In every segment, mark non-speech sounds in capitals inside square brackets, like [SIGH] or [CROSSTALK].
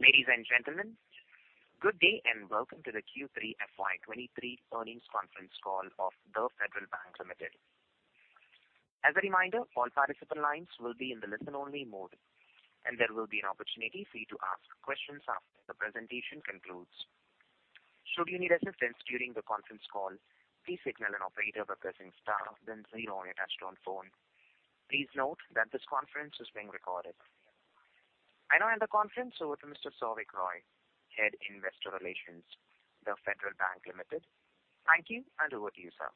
Ladies and gentlemen, good day and welcome to the Q3 FY 2023 earnings conference call of The Federal Bank Limited. As a reminder, all participant lines will be in the listen-only mode, and there will be an opportunity for you to ask questions after the presentation concludes. Should you need assistance during the conference call, please signal an operator by pressing star then zero on your touchtone phone. Please note that this conference is being recorded. I now hand the conference over to Mr. Souvik Roy, Head, Investor Relations, The Federal Bank Limited. Thank you, and over to you, sir.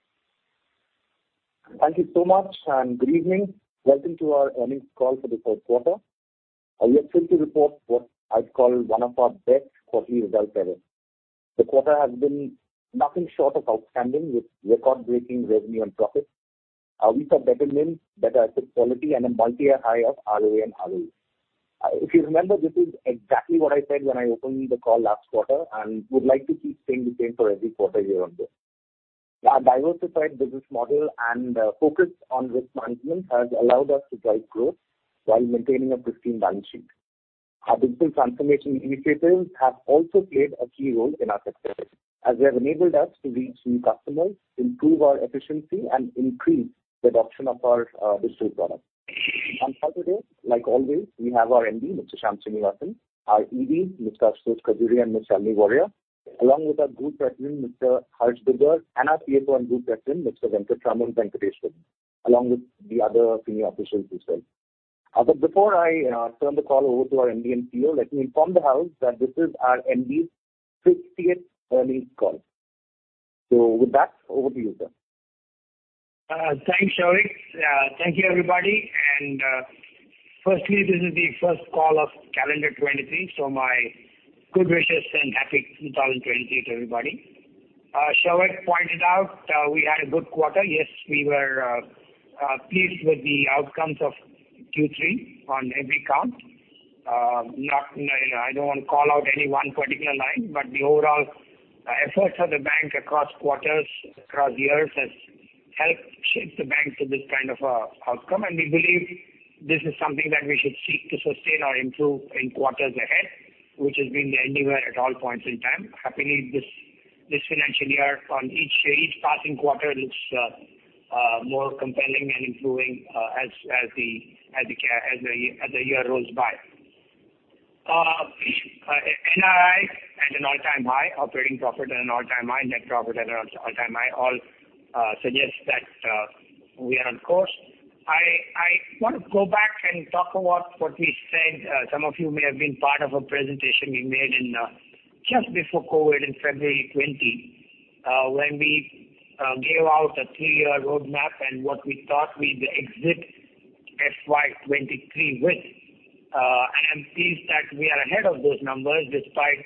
Thank you so much, and good evening. Welcome to our earnings call for the third quarter. I am pleased to report what I'd call one of our best quarterly results ever. The quarter has been nothing short of outstanding, with record-breaking revenue and profits. We saw better mix, better asset quality, and a multi-year high of ROA and ROE. If you remember, this is exactly what I said when I opened the call last quarter and would like to keep saying the same for every quarter year on year. Our diversified business model and focus on risk management has allowed us to drive growth while maintaining a pristine balance sheet. Our digital transformation initiatives have also played a key role in our success, as they have enabled us to reach new customers, improve our efficiency, and increase the adoption of our digital products. For today, like always, we have our MD, Mr. Shyam Srinivasan, our EDs, Mr. Ashutosh Khajuria and Ms. Shalini Warrier, along with our Group President, Mr. Harsh Dugar, and our CFO and Group President, Mr. Venkatraman Venkateswaran, along with the other senior officials as well. Before I turn the call over to our MD and CEO, let me inform the house that this is our MD's 50th earnings call. With that, over to you, sir. Thanks, Souvik. Thank you, everybody. Firstly, this is the first call of calendar 2023, so my good wishes and happy 2023 to everybody. Souvik pointed out, we had a good quarter. Yes, we were pleased with the outcomes of Q3 on every count. Not, you know, I don't want to call out any one particular line, but the overall efforts of the bank across quarters, across years has helped shape the bank to this kind of outcome. We believe this is something that we should seek to sustain or improve in quarters ahead, which has been the endear at all points in time. Happily, this financial year on each passing quarter looks more compelling and improving as the, as the year rolls by. NII at an all-time high, operating profit at an all-time high, net profit at an all-time high, all suggest that we are on course. I want to go back and talk about what we said. Some of you may have been part of a presentation we made in just before COVID in February 2020, when we gave out a three-year roadmap and what we thought we'd exit FY 2023 with. I'm pleased that we are ahead of those numbers despite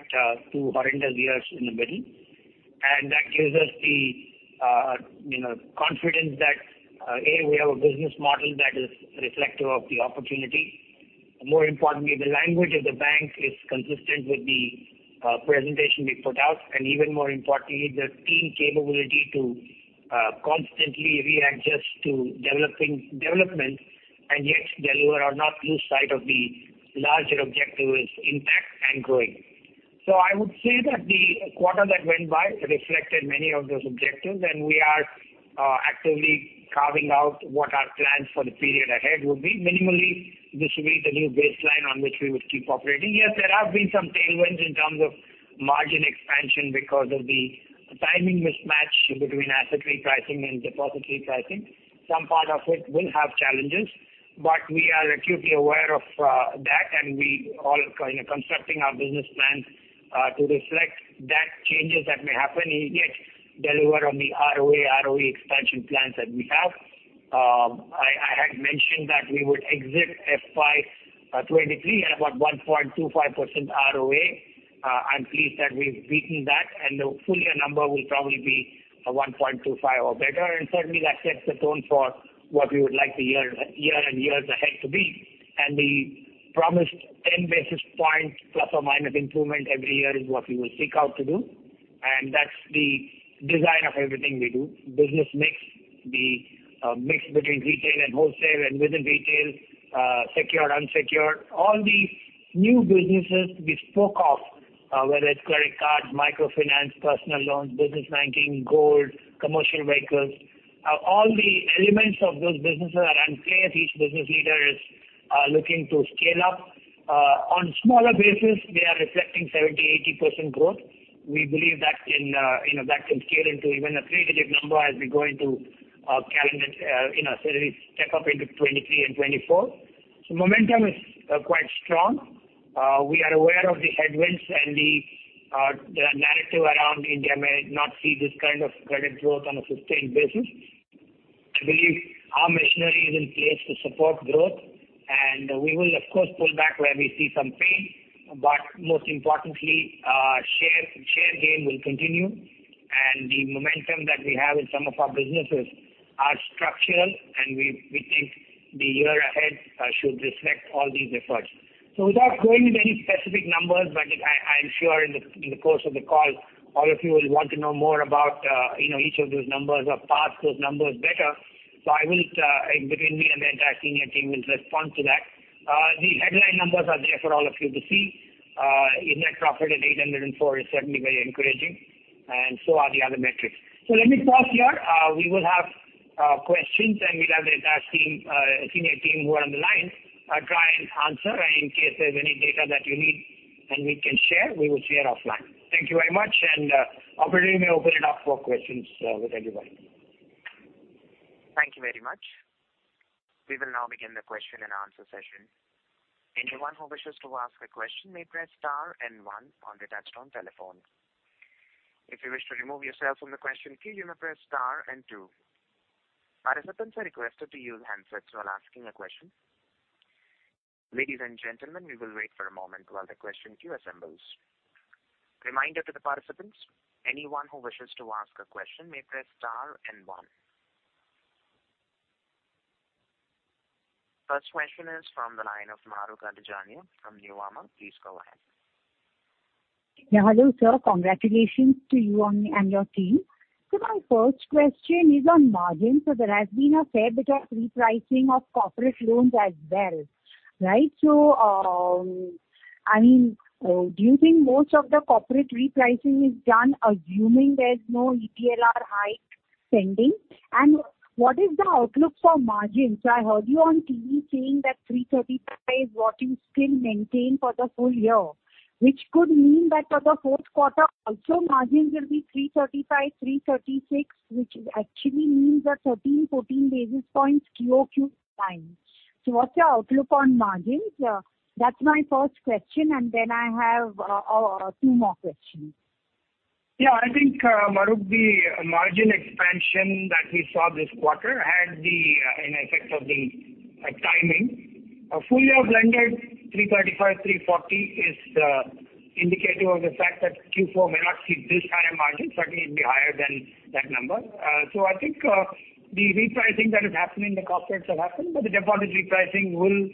two horrendous years in the middle. That gives us the, you know, confidence that A, we have a business model that is reflective of the opportunity. More importantly, the language of the bank is consistent with the presentation we put out. Even more importantly, the team capability to constantly readjust to developing development and yet deliver or not lose sight of the larger objective is impact and growing. I would say that the quarter that went by reflected many of those objectives, and we are actively carving out what our plans for the period ahead would be. Minimally, this will be the new baseline on which we would keep operating. There have been some tailwinds in terms of margin expansion because of the timing mismatch between asset repricing and deposit repricing. Some part of it will have challenges, but we are acutely aware of that, and we all, you know, constructing our business plans to reflect that changes that may happen and yet deliver on the ROA, ROE expansion plans that we have. I had mentioned that we would exit FY 2023 at about 1.25% ROA. I'm pleased that we've beaten that, and the full year number will probably be 1.25 or better. Certainly that sets the tone for what we would like the year and years ahead to be. The promised 10 basis points ± improvement every year is what we will seek out to do. That's the design of everything we do. Business mix, the mix between retail and wholesale and within retail, secure, unsecured. All the new businesses we spoke of, whether it's credit cards, microfinance, personal loans, business banking, gold, commercial vehicles. All the elements of those businesses are at play as each business leader is looking to scale up. On smaller basis, they are reflecting 70%-80% growth. We believe that can, you know, that can scale into even a three digit number as we go into calendar, you know, sorry, step up into 2023 and 2024. Momentum is quite strong. We are aware of the headwinds and the narrative around India may not see this kind of credit growth on a sustained basis. We believe our machinery is in place to support growth, and we will of course pull back where we see some pain. Most importantly, share gain will continue, and the momentum that we have in some of our businesses are structural, and we think the year ahead should reflect all these efforts. Without going into any specific numbers, but I'm sure in the course of the call, all of you will want to know more about, you know, each of those numbers or parse those numbers better. I will, between me and the entire senior team will respond to that. The headline numbers are there for all of you to see. Net profit at 804 is certainly very encouraging, and so are the other metrics. Let me pause here. We will have questions, and we'll have the entire team, senior team who are on the line, try and answer. In case there's any data that you need and we can share, we will share offline. Thank you very much, operator, you may open it up for questions with anybody. Thank you very much. We will now begin the question and answer session. Anyone who wishes to ask a question may press star one on the touchtone telephone. If you wish to remove yourself from the question queue, you may press star two. Participants are requested to use handsets while asking a question. Ladies and gentlemen, we will wait for a moment while the question queue assembles. Reminder to the participants, anyone who wishes to ask a question may press star one. First question is from the line of Mahrukh Adajania from Nuvama. Please go ahead. Yeah, hello, sir. Congratulations to you and your team. My first question is on margins. There has been a fair bit of repricing of corporate loans as well, right? I mean, do you think most of the corporate repricing is done assuming there's no EBLR hike pending? What is the outlook for margins? I heard you on TV saying that 3.35% is what you still maintain for the full year, which could mean that for the fourth quarter also margins will be 3.35%-3.36%, which actually means that 13-14 basis points QOQ decline. What's your outlook on margins? That's my first question. I have two more questions. I think, Mahrukh, the margin expansion that we saw this quarter had an effect of the timing. A full year blended 335, 340 is indicative of the fact that Q4 may not see this kind of margin. Certainly it will be higher than that number. I think, the repricing that is happening in the corporates have happened, but the deposit repricing will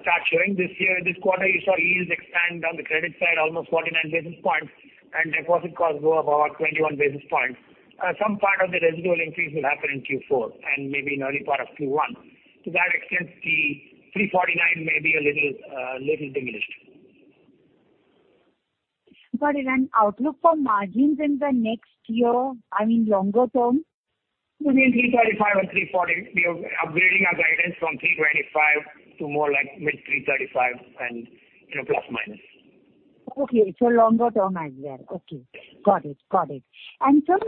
start showing this year. This quarter you saw yields expand on the credit side almost 49 basis points and deposit costs go up about 21 basis points. Some part of the residual increase will happen in Q4 and maybe in early part of Q1. To that extent, the 349 may be a little diminished. Outlook for margins in the next year, I mean longer term? Between 3.35% and 3.40%. We are upgrading our guidance from 3.25% to more like mid 3.35% and, you know, plus or minus. Okay. Longer term as well. Okay. Got it. Got it. Sir,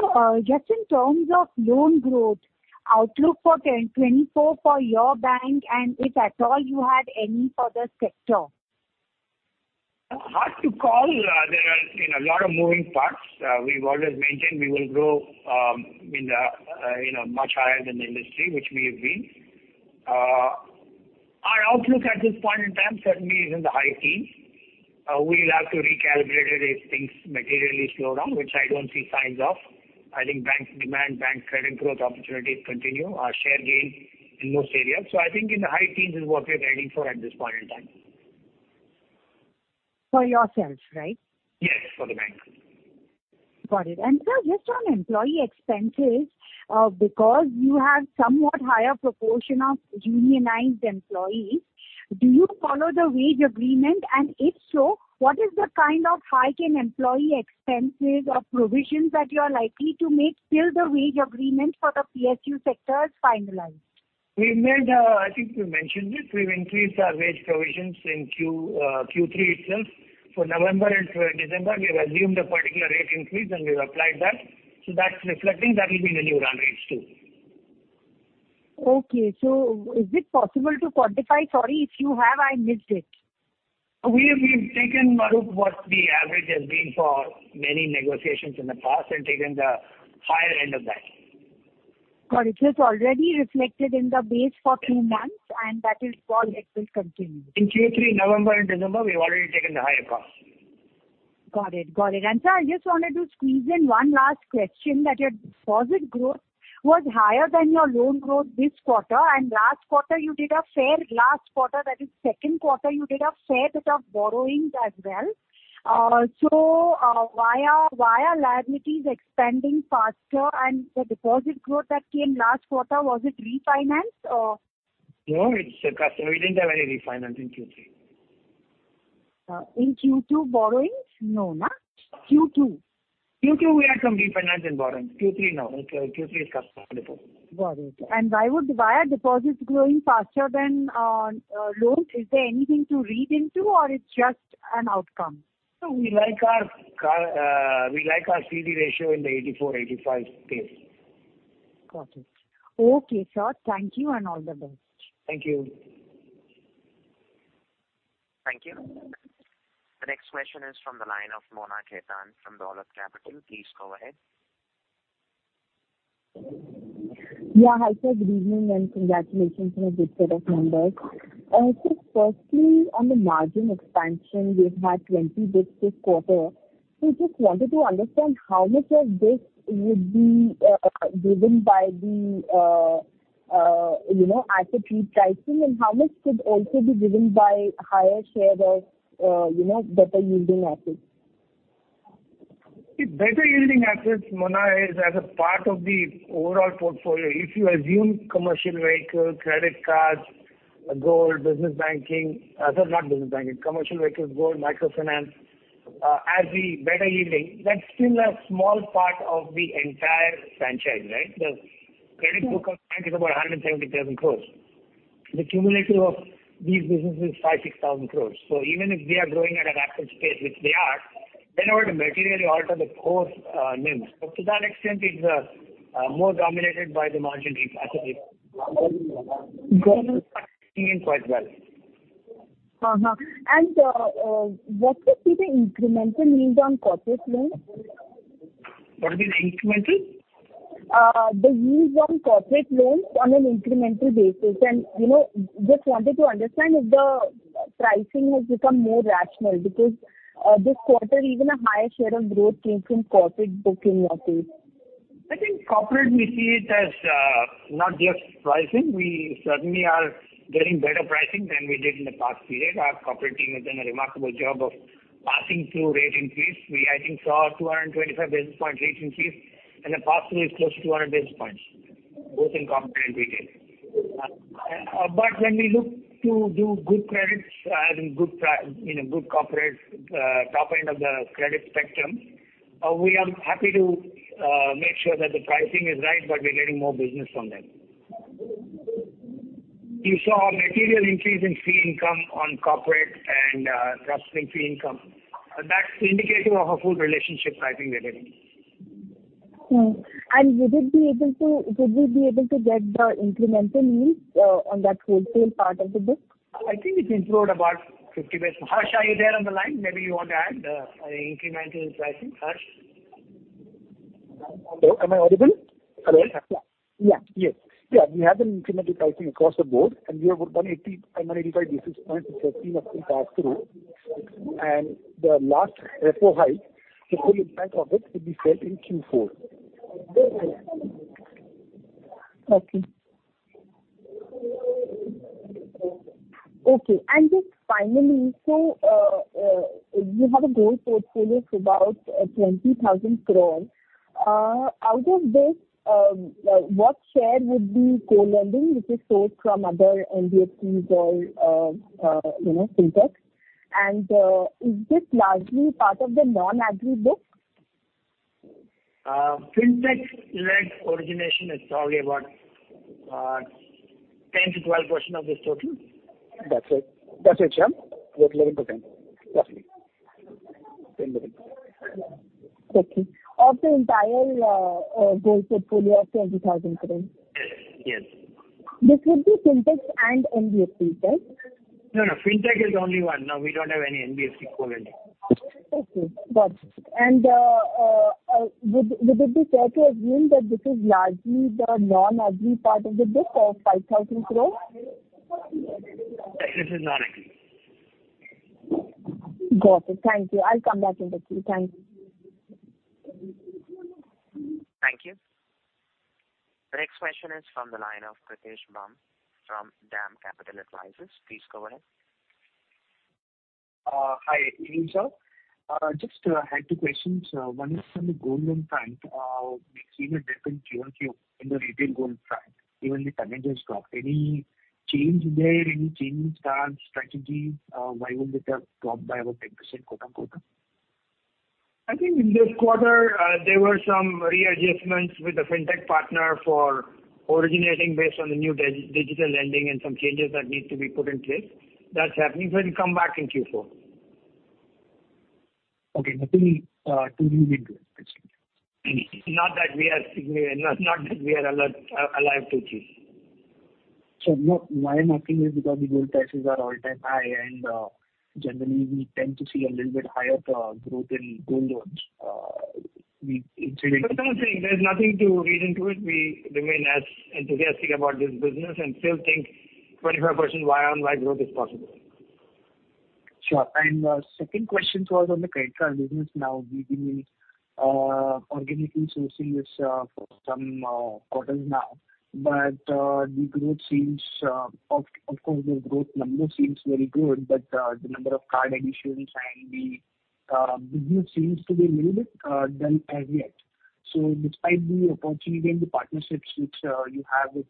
just in terms of loan growth, outlook for 2024 for your bank and if at all you had any for the sector? Hard to call. There are, you know, a lot of moving parts. We've always maintained we will grow, in the, you know, much higher than the industry, which we have been. Our outlook at this point in time certainly is in the high teens. We'll have to recalibrate it if things materially slow down, which I don't see signs of. I think bank demand, bank credit growth opportunities continue. Our share gains in those areas. I think in the high teens is what we're guiding for at this point in time. For yourself, right? Yes. For the bank. Got it. Sir, just on employee expenses, because you have somewhat higher proportion of unionized employees, do you follow the wage agreement? If so, what is the kind of hike in employee expenses or provisions that you are likely to make till the wage agreement for the PSU sector is finalized? We made, I think we mentioned it. We've increased our wage provisions in Q3 itself. For November and December, we've assumed a particular rate increase, and we've applied that. That's reflecting. That will be in the new run rates too. Okay. Is it possible to quantify? Sorry if you have, I missed it. We've taken, Mahrukh, what the average has been for many negotiations in the past and taken the higher end of that. Got it. It's already reflected in the base for two months. That is for it will continue. In Q3, November and December, we've already taken the higher cost. Got it. Got it. Sir, I just wanted to squeeze in one last question that your deposit growth was higher than your loan growth this quarter, and last quarter, that is second quarter, you did a fair bit of borrowings as well. Why are liabilities expanding faster? The deposit growth that came last quarter, was it refinanced? Or... No, it's the customer. We didn't have any refinance in Q3. In Q2 borrowings? No na. Q2. Q2 we had some refinance in borrowings. Q3, no. It's Q3 is customer deposits. Got it. Why are deposits growing faster than loans? Is there anything to read into or it's just an outcome? We like our CAR, we like our CD ratio in the 84, 85 space. Got it. Okay, sir. Thank you and all the best. Thank you. Thank you. The next question is from the line of Mona Khetan from Dolat Capital. Please go ahead. Yeah. Hi, sir. Good evening and congratulations on a good set of numbers. Firstly, on the margin expansion, you've had 20 basis points this quarter. Just wanted to understand how much of this would be driven by the, you know, asset repricing and how much could also be driven by higher share of, you know, better yielding assets? The better yielding assets, Mona, is as a part of the overall portfolio. If you assume commercial vehicle, credit cards, gold, business banking... Sorry, not business banking. Commercial vehicles, gold, microfinance, as the better yielding, that's still a small part of the entire franchise, right? The credit book of bank is about 170,000 crores. The cumulative of these businesses, 5,000 crores-6,000 crores. Even if they are growing at a rapid pace, which they are, they in order to materially alter the core NIMs. To that extent it's more dominated by the margin-rich assets. Uh-huh. Growing quite well. Uh-huh. What would be the incremental NIMs on corporate loans? Pardon me, incremental? The NIMs on corporate loans on an incremental basis. You know, just wanted to understand if the pricing has become more rational because, this quarter even a higher share of growth came from corporate book in your case? I think corporate we see it as, not just pricing. We certainly are getting better pricing than we did in the past period. Our corporate team has done a remarkable job of passing through rate increase. We I think saw 225 basis point rate increase and the pass-through is close to 200 basis points, both in corporate and retail. When we look to do good credits, in a good corporate, top end of the credit spectrum, we are happy to make sure that the pricing is right, but we're getting more business from them. You saw a material increase in fee income on corporate and, trust link fee income. That's indicative of a full relationship pricing we're getting. Would we be able to get the incremental NIMs on that wholesale part of the book? I think it improved about 50 basis. Harsh, are you there on the line? Maybe you want to add incremental pricing. Harsh? Hello, am I audible? Hello? Yeah. Yeah. Yes. Yeah, we have an incremental pricing across the board, and we have about 180, 185 basis points in 13 of the pass-through. The last repo hike, the full impact of it will be felt in Q4. Okay. Okay. Just finally, you have a gold portfolio of about 20,000 crore. Out of this, what share would be co-lending, which is sourced from other NBFCs or, you know, Fintechs. Is this largely part of the non-agri book? Fintech-led origination is probably about 10%-12% of this total. That's it. That's it, Shyam. Less than 10. Less than 10%. Okay. Of the entire gold portfolio of 20,000 crore? Yes. Yes. This would be Fintechs and NBFCs, right? No, no. Fintech is the only one. No, we don't have any NBFC co-lending. Okay, got it. Would it be fair to assume that this is largely the non-agri part of the book of 5,000 crore? This is non-agri. Got it. Thank you. I'll come back into queue. Thank you. Thank you. The next question is from the line of Pritesh Bumb from DAM Capital Advisors. Please go ahead. Hi. Good evening, sir. Just had two questions. One is on the gold loan front. We've seen a dip in Q on Q in the retail gold front, even the balances dropped. Any change there? Any change in strategy? Why would it have dropped by about 10% quarter-on-quarter? I think in this quarter, there were some readjustments with the Fintech partner for originating based on the new digital lending and some changes that need to be put in place. That's happening. It'll come back in Q4. Okay. Nothing to read into it, basically. Not that we are alive to it. Sure. No, my thinking is because the gold prices are all-time high and generally we tend to see a little bit higher growth in gold loans. That's what I'm saying. There's nothing to read into it. We remain as enthusiastic about this business and still think 25% year-over-year growth is possible. Sure. Second question was on the credit card business. Now, we've been organically sourcing this for some quarters now. The growth seems, of course, the growth number seems very good, but the number of card issuance and the business seems to be a little bit dull as yet. Despite the opportunity and the partnerships which you have with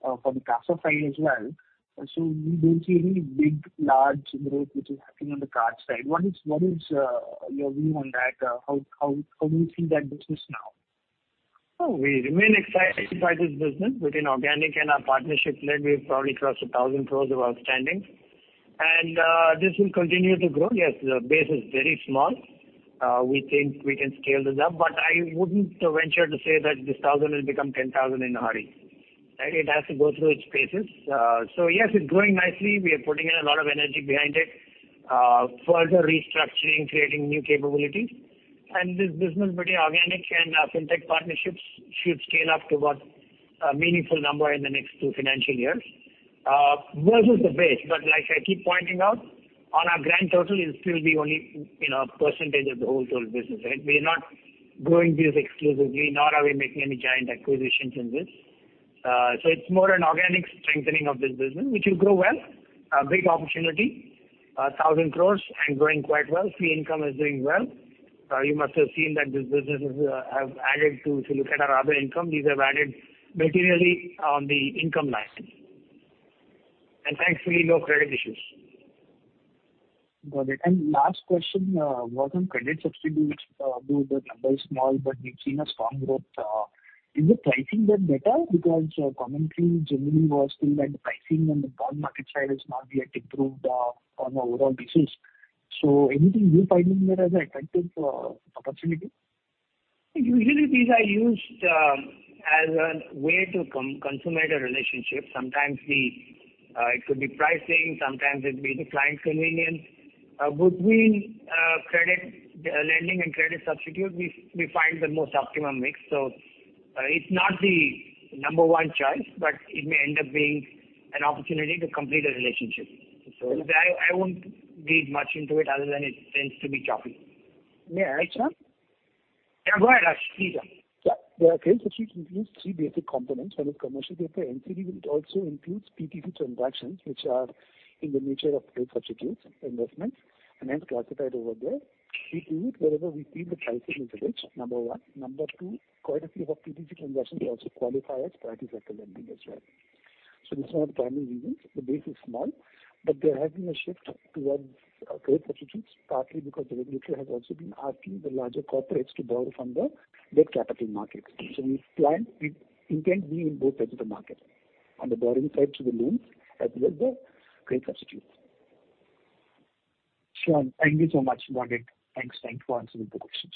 from the CASA side as well, we don't see any big, large growth which is happening on the card side. What is your view on that? How do you see that business now? We remain excited by this business. Between organic and our partnership-led, we've probably crossed 1,000 crores of outstanding. This will continue to grow. Yes, the base is very small. We think we can scale this up. But I wouldn't venture to say that this 1,000 will become 10,000 in a hurry. Right? It has to go through its phases. So yes, it's growing nicely. We are putting in a lot of energy behind it. Further restructuring, creating new capabilities. This business between organic and our Fintech partnerships should scale up to about a meaningful number in the next two financial years. Versus the base, but like I keep pointing out, on our grand total it'll still be only, you know, a percentage of the wholesale business, right? We're not growing these exclusively, nor are we making any giant acquisitions in this. It's more an organic strengthening of this business, which will grow well. A big opportunity, 1,000 crore and growing quite well. Fee income is doing well. You must have seen that this business is have added to if you look at our other income, these have added materially on the income line. Thankfully, no credit issues. Got it. Last question was on credit substitutes. Though the number is small, but we've seen a strong growth. Is the pricing there better? Because your commentary generally was still that the pricing on the bond market side has not yet improved, on overall basis. Anything you're finding there as an attractive opportunity? Usually these are used as a way to consummate a relationship. Sometimes we, it could be pricing, sometimes it could be the client convenience. Between credit lending and credit substitute, we find the most optimum mix. It's not the number one choice, but it may end up being an opportunity to complete a relationship. I won't read much into it other than it tends to be choppy. May I, Shyam? Yeah, go ahead, Harsh. Please, Harsh. Yeah. The credit substitute includes 3 basic components. One is commercial paper, NCD, but it also includes P2P transactions, which are in the nature of trade substitutes, investments, and hence classified over there. We do it wherever we feel the pricing is rich, number 1. Number 2, quite a few of our P2P transactions also qualify as priority sector lending as well. These are the primary reasons. The base is small, but there has been a shift towards credit substitutes, partly because the regulator has also been asking the larger corporates to borrow from the debt capital markets. We intend to be in both sides of the market, on the borrowing side through the loans as well as the credit substitutes. Shyam, thank you so much. Got it. Thanks. Thank you for answering the questions.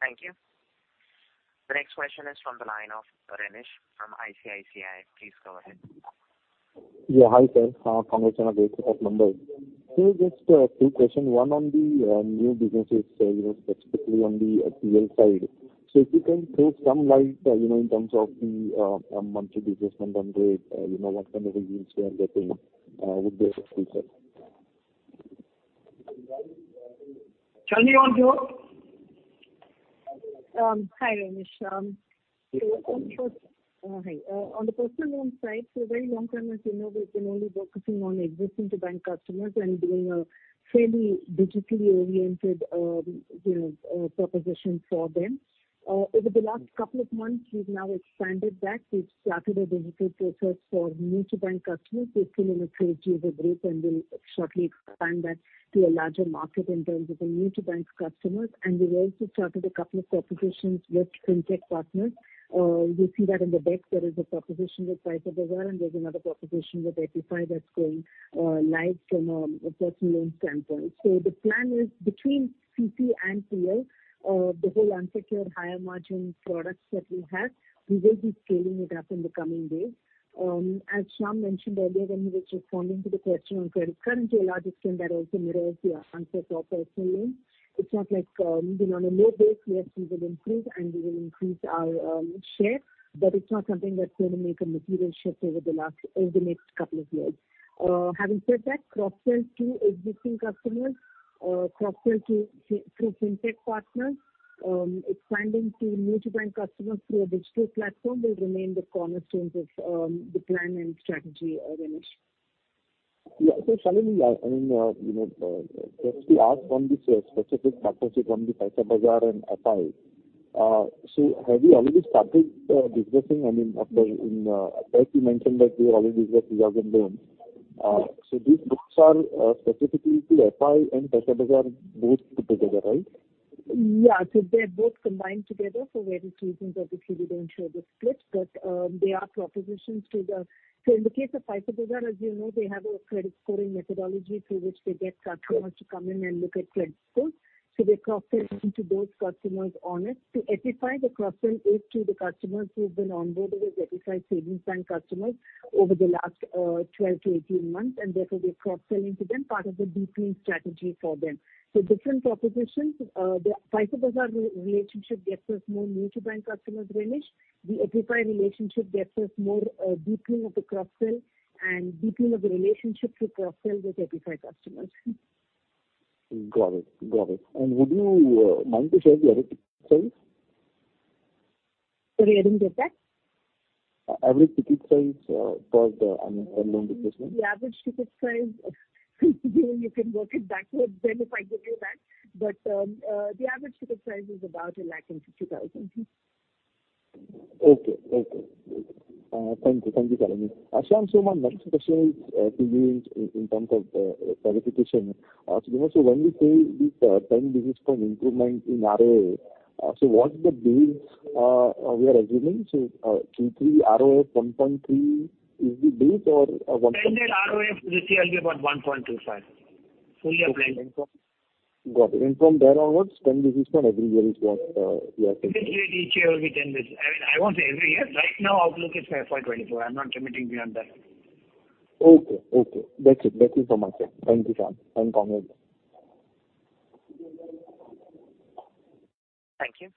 Thank you. The next question is from the line of Renish from ICIC. Please go ahead. Yeah, hi, sir. Hi. [audio distotion] Mumbai. Just two questions. One on the new businesses, you know, specifically on the PL side. If you can throw some light, you know, in terms of the monthly disbursement run rate, you know, what kind of a yields you are getting, would be helpful, sir. Shalini, on your... Hi, Renishsh. Hi. On the personal loan side, for a very long time, as you know, we've been only focusing on existing bank customers and doing a fairly digitally oriented, you know, proposition for them. Over the last couple of months, we've now expanded that. We've started a digital process for new-to-bank customers. We're still in a stage of a group, and we'll shortly expand that to a larger market in terms of the new-to-bank customers. We've also started a couple of propositions with FinTech partners. You see that in the deck, there is a proposition with Paisabazaar, and there's another proposition with FI that's going live from a personal loan standpoint. The plan is between CP and PL, the whole unsecured higher margin products that we have, we will be scaling it up in the coming days. As Shyam mentioned earlier when he was responding to the question on credit card, to a large extent that also mirrors the answer for personal loans. It's not like, you know, on a low base, yes, we will improve and we will increase our share, but it's not something that's going to make a material shift over the next couple of years. Having said that, cross-sell to existing customers, cross-sell to, through FinTech partners, expanding to new-to-bank customers through a digital platform will remain the cornerstones of the plan and strategy, Renish. Yeah. Shalini, I mean, you know, just to ask on the specific partnership on the Paisabazaar and FI. Have you already started dispersing? I mean, after in FI you mentioned that you have already dispersed 2,000 loans. These books are specifically to FI and Paisabazaar both put together, right? They're both combined together for various reasons. Obviously, we don't show the splits, but they are propositions to the. In the case of Paisabazaar, as you know, they have a credit scoring methodology through which they get customers to come in and look at credit scores. We are cross-selling to those customers on it. To FI, the cross-sell is to the customers who have been onboarded as FI savings bank customers over the last 12-18 months, and therefore we are cross-selling to them part of the deep lean strategy for them. Different propositions. The Paisabazaar re-relationship gets us more new-to-bank customers, Ramesh. The FI relationship gets us more deep lean of the cross-sell and deep lean of the relationship through cross-sell with FI customers. Got it. Would you mind to share the average ticket size? Sorry, I didn't get that. Average ticket size, per the, I mean, per loan disbursement. The average ticket size you can work it backwards then if I give you that. The average ticket size is about 1.5 lakh. Okay. Okay. Okay. Thank you. Thank you, Shalini. Shyam, my next question is to you in terms of clarification. You know, when you say this, 10 basis point improvement in ROA, what's the base we are assuming? Q3 ROA 1.3 is the base or 1.3- Stand-in ROA this year will be about 1.25%, fully applied. Okay. Got it. From there onwards, 10 basis points every year is what we are thinking. Basically, each year will be 10 basis. I mean, I won't say every year. Right now, outlook is for FY 2024. I'm not committing beyond that. Okay. Okay. That's it. That's it from my side. Thank you, Shyam. And Kamlesh. Thank you.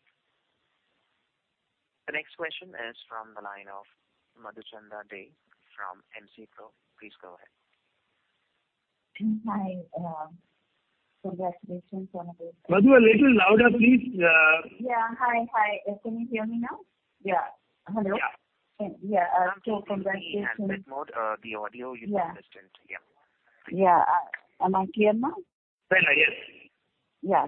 The next question is from the line of Madhuchanda Dey from MC PRO. Please go ahead. Hi. congratulations on a great-. Madhue, a little louder, please. Yeah. Hi. Hi. Can you hear me now? Yeah. Hello? Yeah. Yeah. Congratulations. Madhue, can you be in speak mode? the audio is indistinct. Yeah. Yeah. Am I clear now? Better, yes. Yeah.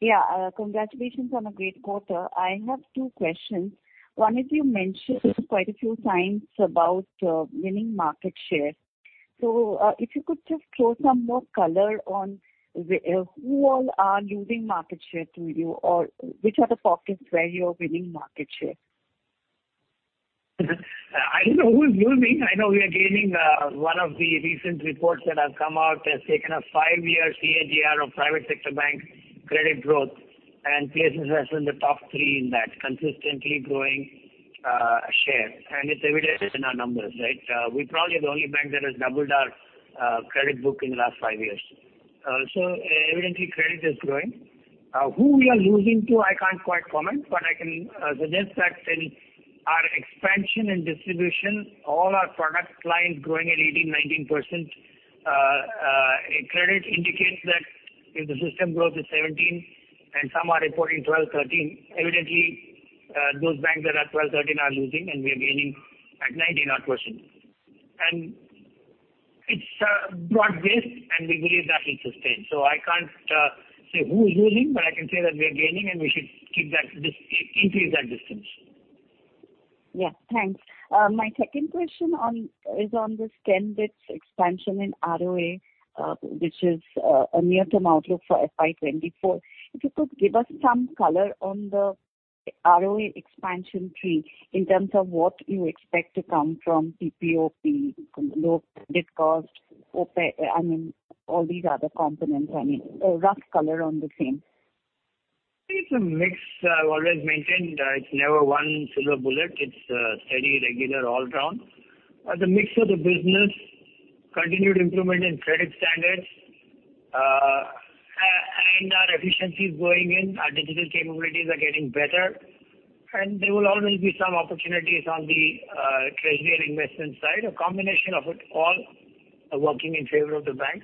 Yeah, congratulations on a great quarter. I have two questions. One is, you mentioned quite a few times about winning market share. If you could just throw some more color on who all are losing market share to you or which are the pockets where you're winning market share? I don't know who is losing. I know we are gaining. One of the recent reports that have come out has taken a 5-year CAGR of private sector bank credit growth, and PNB has been in the top three in that, consistently growing share. It's evident in our numbers, right? We're probably the only bank that has doubled our credit book in the last five years. So evidently credit is growing. Who we are losing to, I can't quite comment, but I can suggest that in our expansion and distribution, all our product lines growing at 18%, 19%. Credit indicates that if the system growth is 17% and some are reporting 12%, 13%, evidently, those banks that are 12%, 13% are losing, and we are gaining at 19% odd. It's broad-based, and we believe that it's sustained. I can't say who is losing, but I can say that we are gaining, and we should keep that increase that distinction. Yeah. Thanks. my second question is on this 10 bits expansion in ROA, which is a near-term outlook for FY 2024. If you could give us some color on the ROA expansion tree in terms of what you expect to come from PPOP, from low deposit costs, OPEX, I mean, all these other components. I mean, a rough color on the same. It's a mix. I've always maintained, it's never one silver bullet. It's steady, regular, all round. The mix of the business, continued improvement in credit standards, and our efficiencies going in, our digital capabilities are getting better. There will always be some opportunities on the treasury and investment side. A combination of it all working in favor of the bank.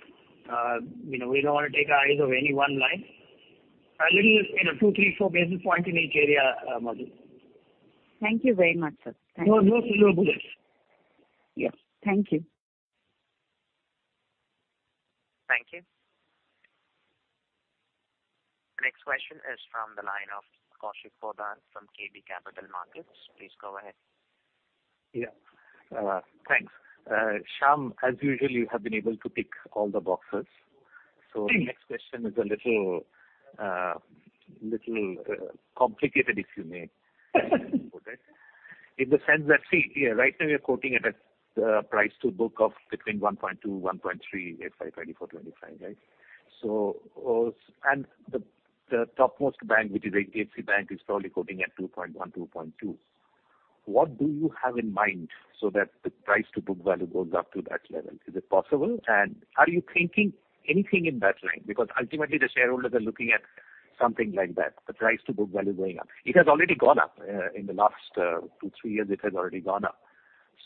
You know, we don't want to take our eyes of any one line. A little, you know, 2, 3, 4 basis points in each area, Madhu. Thank you very much, sir. Thank you. No, no silver bullets. Yes. Thank you. Thank you. The next question is from the line of Kaushik Poddar from KB Capital Markets. Please go ahead. Yeah. thanks. Shyam, as usual, you have been able to tick all the boxes. Hmm. The next question is a little complicated, if you may. Okay. In the sense that, right now you're quoting at a price to book of between 1.2, 1.3, FY 2024, 2025, right? And the topmost bank, which is HDFC Bank, is probably quoting at 2.1, 2.2. What do you have in mind so that the price to book value goes up to that level? Is it possible? Are you thinking anything in that line? Ultimately the shareholders are looking at something like that, the price to book value going up. It has already gone up. In the last two, three years, it has already gone up.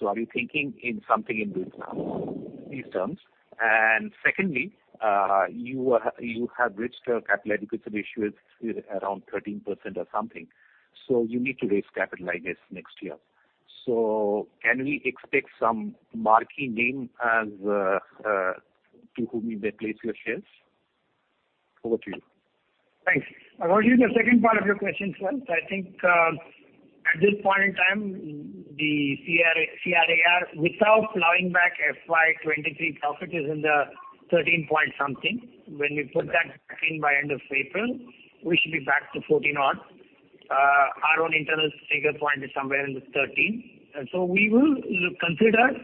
Are you thinking in something in these terms? Secondly, you have reached a capital adequacy ratio at around 13% or something. You need to raise capital, I guess, next year. Can we expect some marquee name as to whom you may place your shares? Over to you. Thanks. Regarding the second part of your question, first, I think, at this point in time, the CR-CAR without plowing back FY 23 profit is in the 13-point something. When we put that back in by end of April, we should be back to 14 odd. Our own internal figure point is somewhere in the 13. We will consider,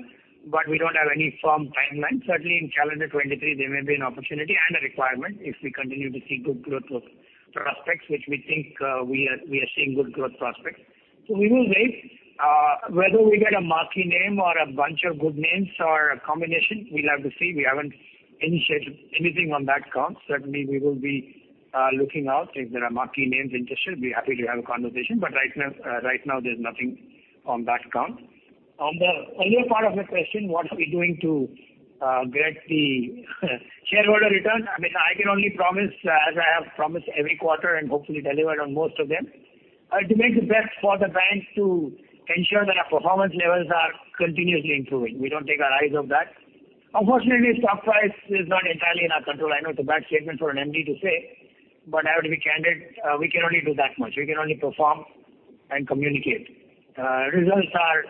but we don't have any firm timeline. Certainly in calendar 23, there may be an opportunity and a requirement if we continue to see good growth prospects, which we think, we are seeing good growth prospects. We will wait. Whether we get a marquee name or a bunch of good names or a combination, we'll have to see. We haven't initiated anything on that count. Certainly, we will be looking out. If there are marquee names interested, we're happy to have a conversation. Right now, right now there's nothing on that count. On the earlier part of your question, what are we doing to get the shareholder returns? I mean, I can only promise, as I have promised every quarter and hopefully delivered on most of them, to make the best for the bank to ensure that our performance levels are continuously improving. We don't take our eyes off that. Unfortunately, stock price is not entirely in our control. I know it's a bad statement for an MD to say. I have to be candid. We can only do that much. We can only perform and communicate. Results are,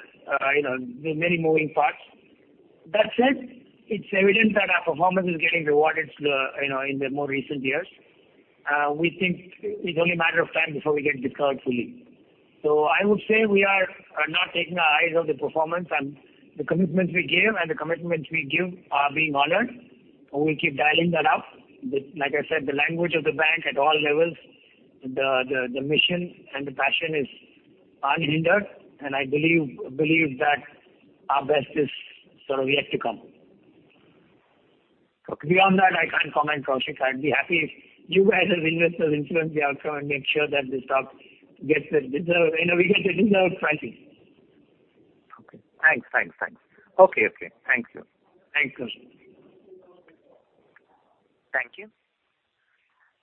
you know, there are many moving parts. That said, it's evident that our performance is getting rewarded, you know, in the more recent years. We think it's only a matter of time before we get discovered fully. I would say we are not taking our eyes off the performance and the commitments we gave and the commitments we give are being honored, and we'll keep dialing that up. Like I said, the language of the bank at all levels, the mission and the passion is unhindered, and I believe that our best is sort of yet to come. Beyond that, I can't comment, Kaushik. I'd be happy if you guys as investors influence the outcome and make sure that the stock gets the deserve, you know, we get the deserved pricing. Okay. Thanks. Thanks. Okay. Okay. Thank you. Thank you. Thank you.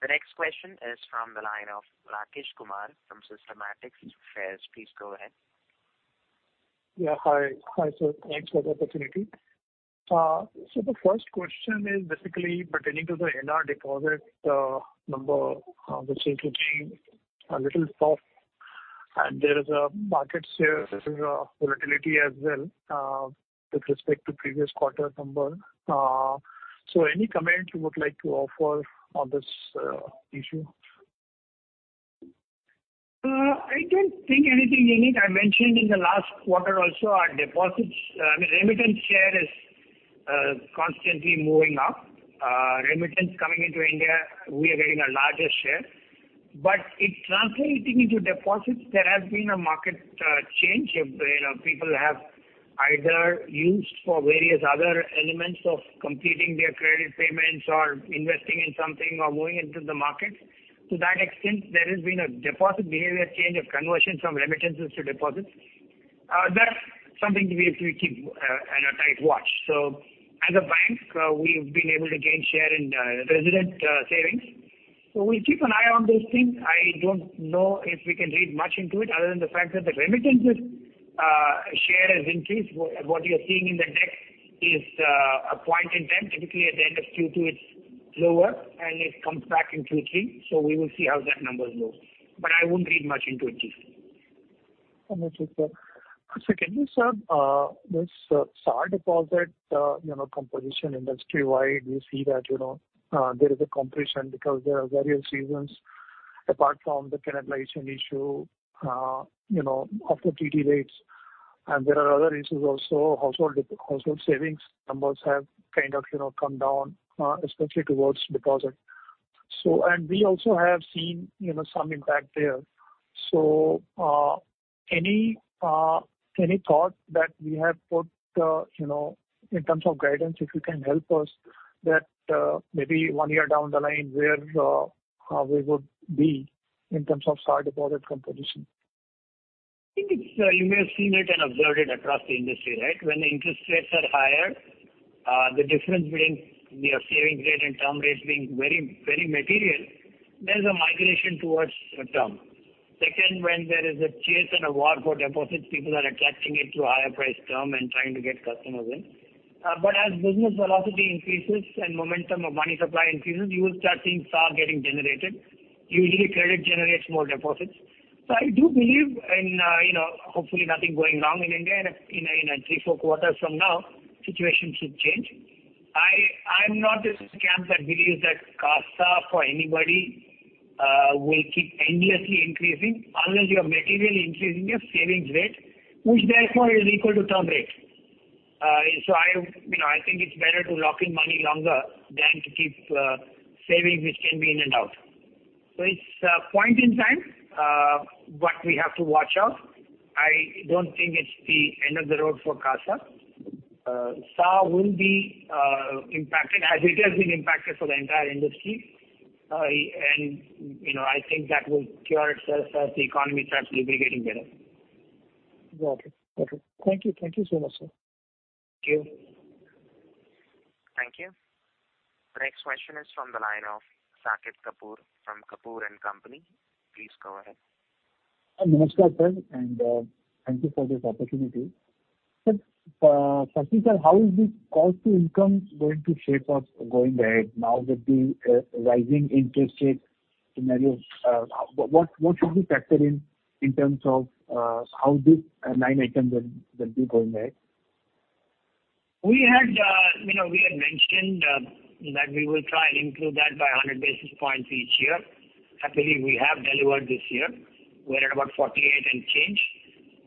The next question is from the line of Rakesh Kumar from Systematix Shares & Stocks (India) Ltd. Please go ahead. Hi, sir. Thanks for the opportunity. The first question is basically pertaining to the NR deposit number, which is looking a little soft, and there is a market share volatility as well, with respect to previous quarter number. Any comment you would like to offer on this issue? I don't think anything unique. I mentioned in the last quarter also our deposits, I mean, remittance share is constantly moving up. Remittance coming into India, we are getting a larger share. It translating into deposits, there has been a market change. You know, people have either used for various other elements of completing their credit payments or investing in something or going into the market. To that extent, there has been a deposit behavior change of conversion from remittances to deposits. That's something we keep under tight watch. As a bank, we've been able to gain share in resident savings. We keep an eye on those things. I don't know if we can read much into it other than the fact that the remittances share has increased. What you're seeing in the deck is a point in time. Typically, at the end of Q2 it's lower and it comes back in Q3. We will see how that number goes. I wouldn't read much into it. Understood, sir. Can you, sir, this SAR deposit, you know, composition industry-wide, we see that, you know, there is a compression because there are various reasons apart from the penalization issue, you know, after TT rates and there are other issues also. Household savings numbers have kind of, you know, come down, especially towards deposit. And we also have seen, you know, some impact there. Any thought that we have put, you know, in terms of guidance, if you can help us that, maybe one year down the line where, how we would be in terms of SAR deposit composition? I think it's, you may have seen it and observed it across the industry, right? When the interest rates are higher, the difference between your savings rate and term rates being very, very material, there's a migration towards term. Second, when there is a chase and a war for deposits, people are attaching it to higher price term and trying to get customers in. As business velocity increases and momentum of money supply increases, you will start seeing SAR getting generated. Usually credit generates more deposits. I do believe in, you know, hopefully nothing going wrong in India in a three, four quarters from now, situation should change. I'm not this camp that believes that CASA for anybody, will keep endlessly increasing unless you are materially increasing your savings rate, which therefore is equal to term rate. I, you know, I think it's better to lock in money longer than to keep savings which can be in and out. It's a point in time what we have to watch out. I don't think it's the end of the road for CASA. SAR will be impacted as it has been impacted for the entire industry. You know, I think that will cure itself as the economy starts liberating better. Got it. Got it. Thank you. Thank you so much, sir. Thank you. Thank you. The next question is from the line of Saket Kapoor from Kapoor and Company. Please go ahead. Hi. [AUDIO DISTORTION] and thank you for this opportunity. Sir, first thing, sir, how is this cost to income going to shape up going ahead now with the rising interest rate scenario? What should we factor in terms of how this line item will be going ahead? We had, you know, we had mentioned that we will try and improve that by 100 basis points each year. Happily, we have delivered this year. We're at about 48 and change.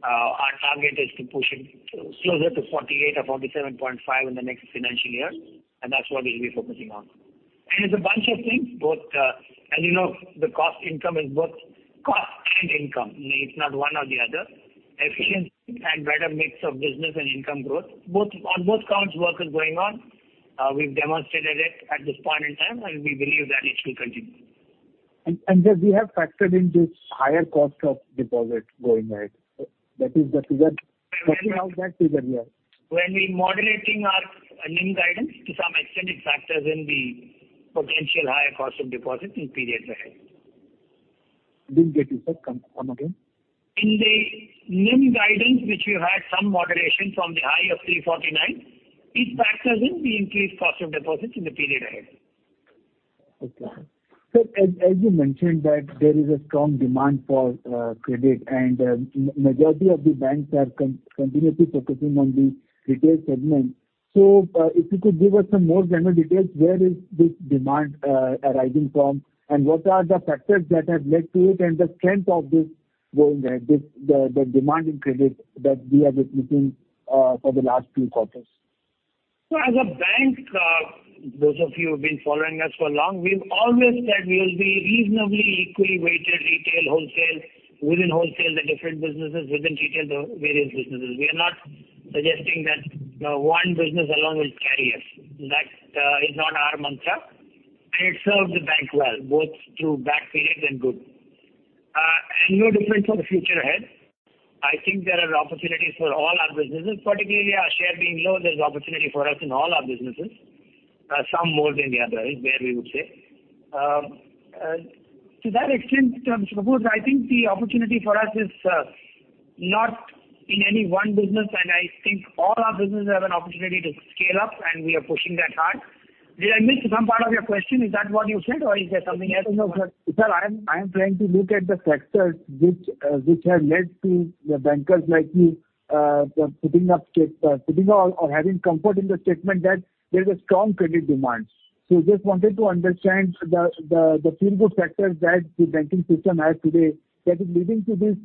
Our target is to push it closer to 48 or 47.5 in the next financial year. That's what we'll be focusing on. It's a bunch of things, both, and you know, the cost income is both cost and income. It's not one or the other. Efficiency and better mix of business and income growth, both, on both counts work is going on. We've demonstrated it at this point in time, and we believe that it will continue. Sir, we have factored into higher cost of deposit going ahead. That is the figure. How is that figure here? When we're modulating our NIM guidance to some extent, it factors in the potential higher cost of deposit in periods ahead. Didn't get you, sir. Come, come again. In the NIM guidance, which we had some moderation from the high of 3.49%, it factors in the increased cost of deposits in the period ahead. Okay. Sir, as you mentioned that there is a strong demand for credit and majority of the banks are continuously focusing on the retail segment. If you could give us some more general details, where is this demand arising from, and what are the factors that have led to it and the strength of this going ahead, this demand in credit that we are witnessing for the last few quarters? As a bank, those of you who've been following us for long, we've always said we will be reasonably equally weighted retail, wholesale. Within wholesale, the different businesses, within retail, the various businesses. We are not suggesting that one business alone will carry us. That is not our mantra. It served the bank well, both through bad periods and good. No different for the future ahead. I think there are opportunities for all our businesses, particularly our share being low, there's opportunity for us in all our businesses, some more than the other is where we would say. To that extent, Supose, I think the opportunity for us is not in any one business, and I think all our businesses have an opportunity to scale up, and we are pushing that hard. Did I miss some part of your question? Is that what you said, or is there something else? No, sir. Sir, I am trying to look at the factors which have led to the bankers like you, putting all or having comfort in the statement that there's a strong credit demand. Just wanted to understand the favorable factors that the banking system has today that is leading to this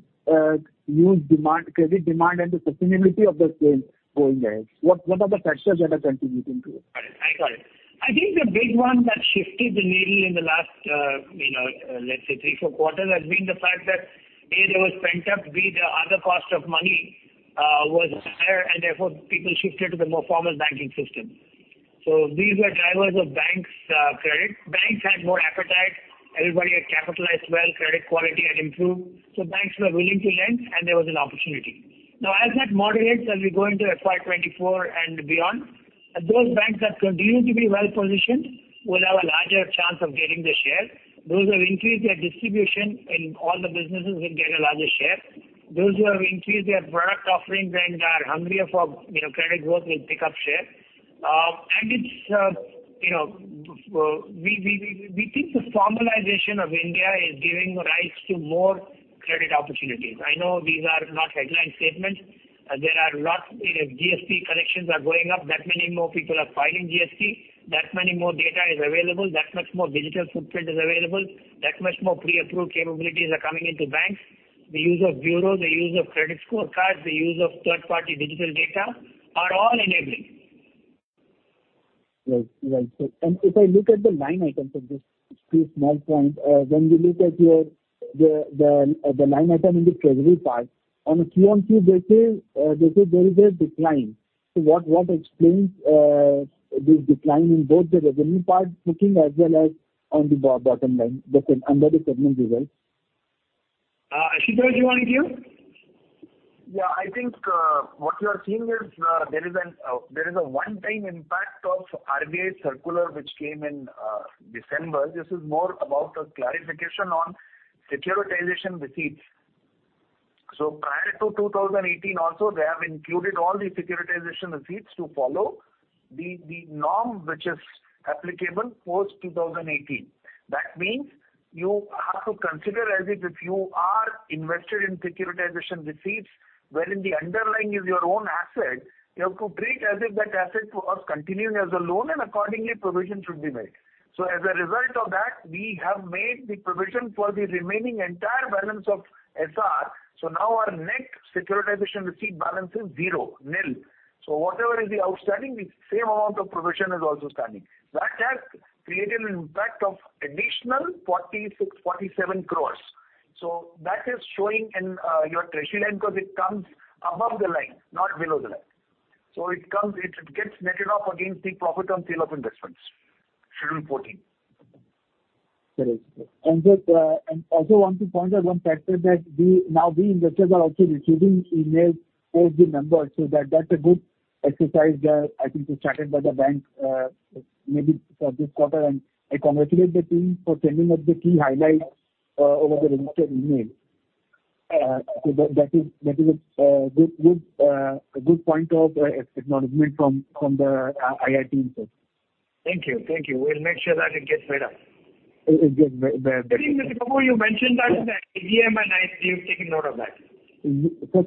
huge demand, credit demand, and the sustainability of the same going ahead. What are the factors that are contributing to it? Got it. I got it. I think the big one that shifted the needle in the last, you know, let's say three, four quarters, has been the fact that, A, there was pent up, B, the other cost of money, was higher, and therefore people shifted to the more formal banking system. These were drivers of banks' credit. Banks had more appetite. Everybody had capitalized well, credit quality had improved. Banks were willing to lend and there was an opportunity. Now, as that moderates, as we go into FY 24 and beyond, those banks that continue to be well-positioned will have a larger chance of getting the share. Those who have increased their distribution in all the businesses will get a larger share. Those who have increased their product offerings and are hungrier for, you know, credit growth will pick up share. you know, we think the formalization of India is giving rise to more credit opportunities. I know these are not headline statements. There are lots, you know, GST collections are going up, that many more people are filing GST, that many more data is available, that much more digital footprint is available, that much more pre-approved capabilities are coming into banks. The use of bureau, the use of credit scorecards, the use of third-party digital data are all enabling. Right. Right. If I look at the line items of this two small points, when we look at your, the line item in the treasury part, on a Q on Q, they say there is a decline. What explains this decline in both the revenue part booking as well as on the bottom line, under the segment results? Hrash, do you wanna give? What you are seeing is there is a one-time impact of RBI circular which came in December. This is more about a clarification on securitization receipts. Prior to 2018 also, they have included all the securitization receipts to follow the norm which is applicable post 2018. That means you have to consider as if you are invested in securitization receipts, wherein the underlying is your own asset, you have to treat as if that asset was continuing as a loan and accordingly provision should be made. As a result of that, we have made the provision for the remaining entire balance of SR. Now our net securitization receipt balance is zero, nil. Whatever is the outstanding, the same amount of provision is also standing. That has created an impact of additional 46, 47 crores. That is showing in your treasury line because it comes above the line, not below the line. It comes, it gets netted off against the profit on sale of investments, schedule 14. Correct. Just, and also want to point out one factor that we investors are also receiving emails as the members, that's a good exercise that I think was started by the bank, maybe for this quarter. I congratulate the team for sending out the key highlights over the registered email. That is a good, a good point of acknowledgement from the IIT itself. Thank you. Thank you. We'll make sure that it gets better. It gets better. I think, Supose, you mentioned that in the AGM, and I, we've taken note of that.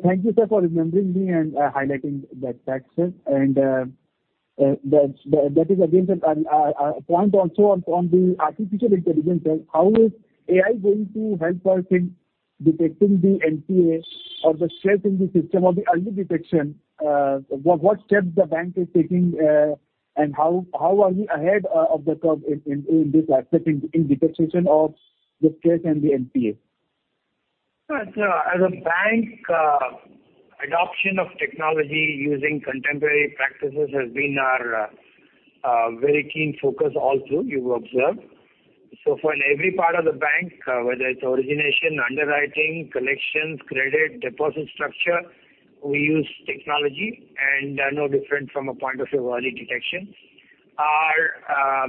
Thank you, sir, for remembering me and highlighting that factor. That is again, sir, a point also on the artificial intelligence, how is AI going to help us in detecting the NPA or the stress in the system or the early detection? What steps the bank is taking and how are you ahead of the curve in this aspect in detection of the stress and the NPA? Right. As a bank, adoption of technology using contemporary practices has been our very keen focus all through, you've observed. For every part of the bank, whether it's origination, underwriting, collections, credit, deposit structure, we use technology and are no different from a point of view of early detection. Our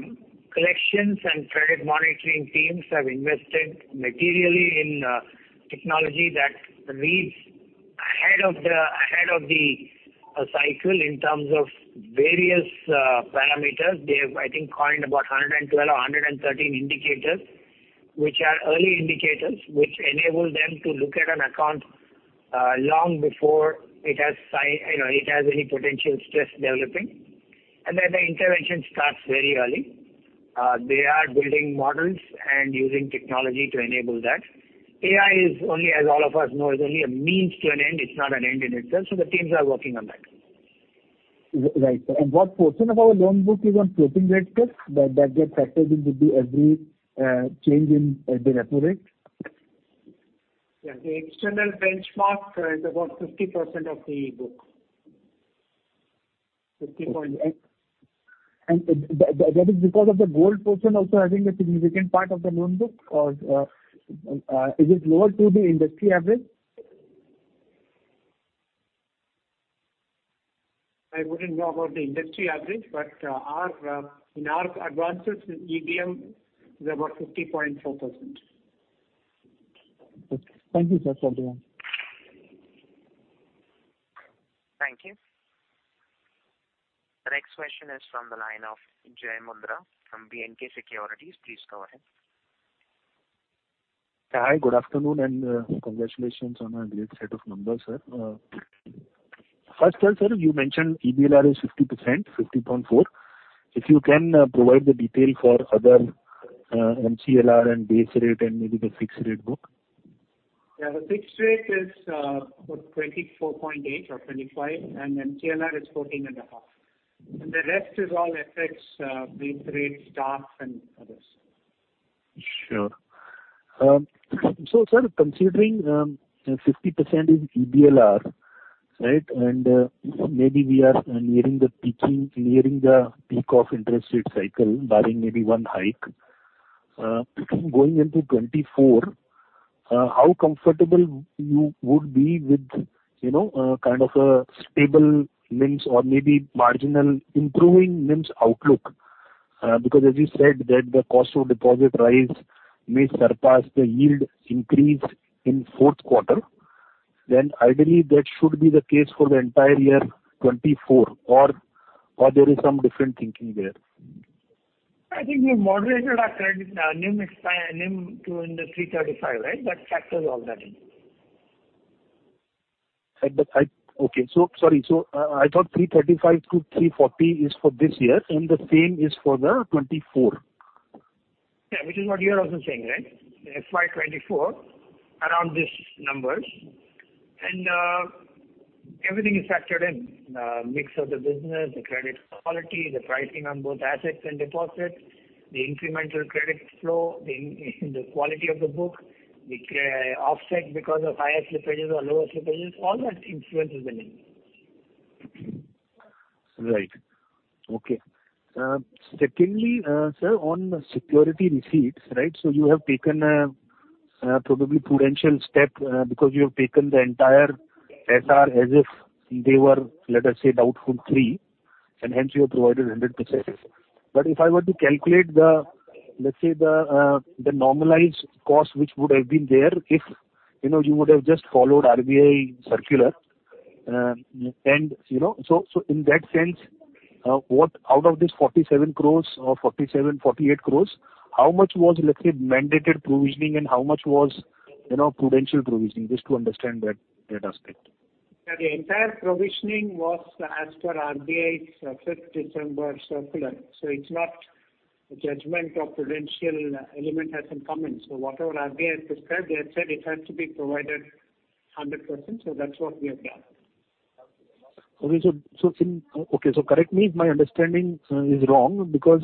collections and credit monitoring teams have invested materially in technology that reads ahead of the, ahead of the cycle in terms of various parameters. They have, I think, coined about 112 or 113 indicators, which are early indicators, which enable them to look at an account, long before it has, you know, it has any potential stress developing. The intervention starts very early. They are building models and using technology to enable that. AI is only, as all of us know, is only a means to an end. It's not an end in itself. The teams are working on that. Right. What portion of our loan book is on floating rate risk that gets affected with the every change in the repo rate? Yeah. The external benchmark is about 50% of the book. 50.8%. That is because of the gold portion also having a significant part of the loan book or, is it lower to the industry average? I wouldn't know about the industry average, but our in our advances, EBM is about 50.4%. Thank you, sir. Thank you. Thank you. The next question is from the line of Jai Mundra from B&K Securities. Please go ahead. Hi, good afternoon and congratulations on a great set of numbers, sir. First of all, sir, you mentioned EBLR is 50%, 50.4. If you can provide the detail for other MCLR and base rate and maybe the fixed rate book. Yeah, the fixed rate is, about 24.8% or 25%, and MCLR is 14.5%. The rest is all FX, base rate, staff and others. Sure. sir, considering 50% is EBLR, right? maybe we are nearing the peak of interest rate cycle, barring maybe one hike. going into 2024, how comfortable you would be with, you know, kind of a stable NIMs or maybe marginal improving NIMs outlook? because as you said that the cost of deposit rise may surpass the yield increase in fourth quarter. ideally that should be the case for the entire year 2024, or there is some different thinking there. I think we moderated our credit, NIM to in the 3.35%, right? That factors all that in. Okay. So sorry. I thought 335-340 is for this year, the same is for 2024. Yeah. Which is what you are also saying, right? FY 2024 around these numbers. Everything is factored in, mix of the business, the credit quality, the pricing on both assets and deposits, the incremental credit flow, the quality of the book, the offset because of higher slippages or lower slippages, all that influences the NIM. Right. Okay. Secondly, sir, on security receipts, right? You have taken a probably prudential step because you have taken the entire SR as if they were, let us say, doubtful free, and hence you have provided 100%. If I were to calculate the, let's say, the normalized cost, which would have been there, if, you know, you would have just followed RBI circular. In that sense, what out of this 47 crores or 47 crores-48 crores, how much was, let's say, mandated provisioning and how much was, you know, prudential provisioning? Just to understand that aspect. The entire provisioning was as per RBI's, 5th December circular. It's not a judgment or prudential element hasn't come in. Whatever RBI has prescribed, they have said it has to be provided 100%. That's what we have done. Okay. Correct me if my understanding is wrong, because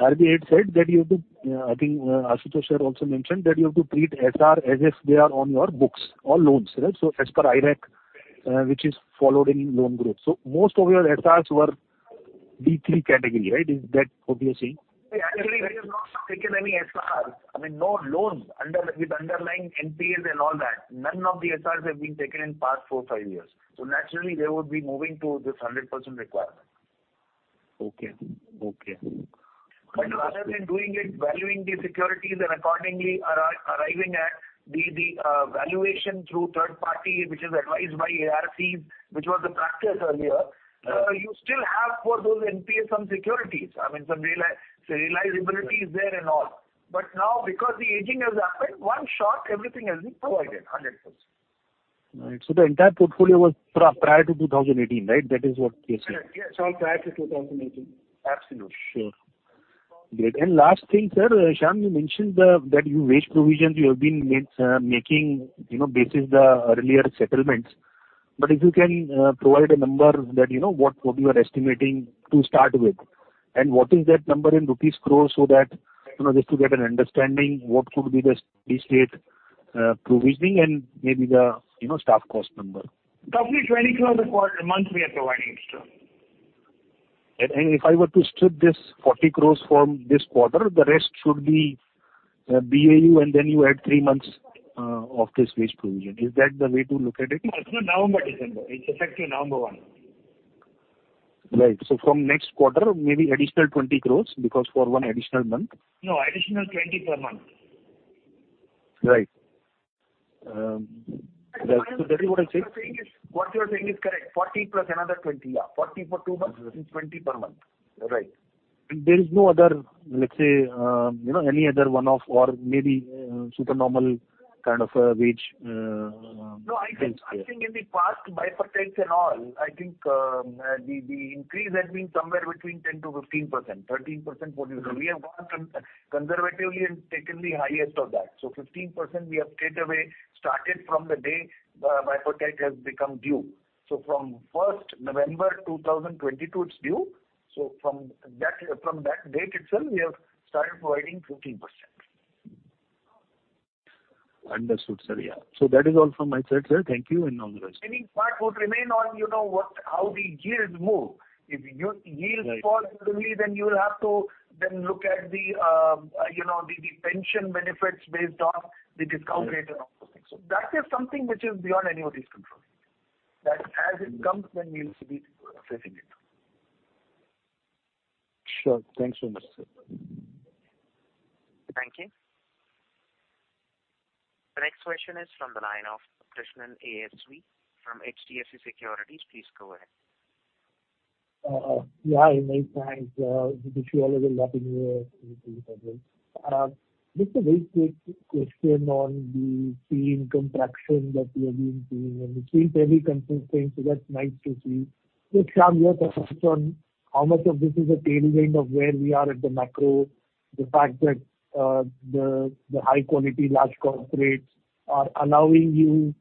RBI had said that you have to, I think, Ashutosh had also mentioned that you have to treat SR as if they are on your books or loans, right? As per IRAC, which is followed in loan groups, most of your SRs were D3 category, right? Is that what you are saying? Actually, we have not taken any SR. I mean, no loans under, with underlying NPAs and all that. None of the SRs have been taken in past four to five years. Naturally they would be moving to this 100% requirement. Okay. Okay. Rather than doing it, valuing the securities and accordingly arriving at the valuation through third party, which is advised by RFCs, which was the practice earlier. You still have for those NPAs some securities. I mean, some realizability is there and all. Now because the aging has happened, one shot, everything has been provided 100%. Right. The entire portfolio was prior to 2018, right? That is what you're saying. Yes. All prior to 2018. Absolutely. Sure. Great. Last thing, sir, Shyam, you mentioned the, that you wage provisions you have been making, you know, basis the earlier settlements. If you can provide a number that you know, what you are estimating to start with, and what is that number in rupees crores so that, you know, just to get an understanding what could be the steady-state provisioning and maybe the, you know, staff cost number? Roughly 20 crores a month we are providing, sir. If I were to strip this 40 crores from this quarter, the rest should be BAU, and then you add three months of this wage provision. Is that the way to look at it? No. It's from November, December. It's effective November 1. Right. From next quarter, maybe additional 20 crores because for one additional month. No, additional 20 per month. Right. That is what I said. What you are saying is correct. 40 plus another 20. Yeah. 40 for two months, this is 20 per month. Right. there is no other, let's say, you know, any other one-off or maybe, super normal kind of, wage, expense there. I think in the past bipartite and all, I think, the increase has been somewhere between 10%-15%, 13%. We have gone conservatively and taken the highest of that. 15% we have straightaway started from the day, buy protect has become due. From 1st November 2022, it's due. From that date itself, we have started providing 15%. Understood, sir. Yeah. That is all from my side, sir. Thank you and long live. Any part would remain on, you know, what, how the yields move. Right. Yields fall suddenly, you will have to then look at the, you know, the pension benefits based on the discount rate and all those things. That is something which is beyond anybody's control. That as it comes, then we'll be assessing it. Sure. Thanks so much, sir. Thank you. The next question is from the line of Krishnan ASV from HDFC Securities. Please go ahead. Yeah. Hi, Mayank. Thanks. Wish you all a very happy New Year. Just a very quick question on the fee income traction that we have been seeing and it seems very consistent, so that's nice to see. Just, Shyam, your thoughts on how much of this is a tailwind of where we are at the macro, the fact that the high quality large corporates are allowing you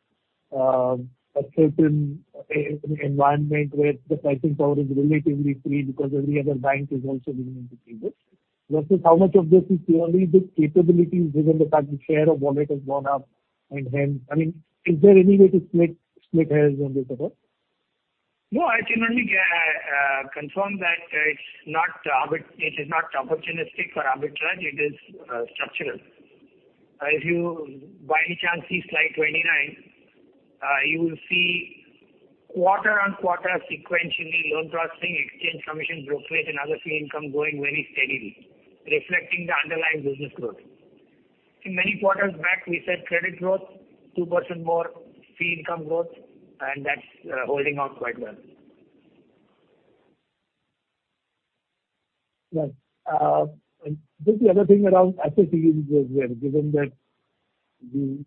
a certain environment where the pricing power is relatively free because every other bank is also willing to pay this. Versus how much of this is purely the capabilities given the fact the share of wallet has gone up and hence... I mean, is there any way to split hairs on this at all? No, I can only confirm that it's not opportunistic or arbitrage. It is structural. If you by any chance see slide 29, you will see quarter on quarter sequentially loan processing, exchange commission brokerage, and other fee income growing very steadily, reflecting the underlying business growth. In many quarters back, we said credit growth 2% more fee income growth, and that's holding out quite well. Right, just the other thing around asset yields as well, given that you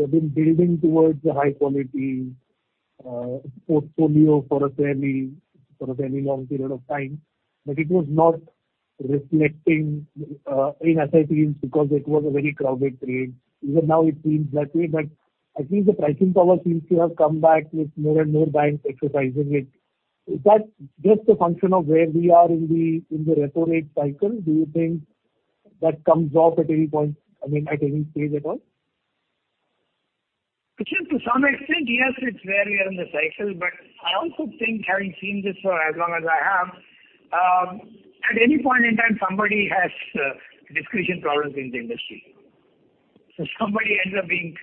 have been building towards a high quality, portfolio for a fairly long period of time, but it was not reflecting in asset yields because it was a very crowded trade. Even now it seems that way. I think the pricing power seems to have come back with more and more banks exercising it. Is that just a function of where we are in the repo rate cycle? Do you think that comes off at any point, I mean, at any stage at all? Krishnan, to some extent, yes, it's where we are in the cycle. I also think having seen this for as long as I have, at any point in time, somebody has discretion problems in the industry. Somebody ends up being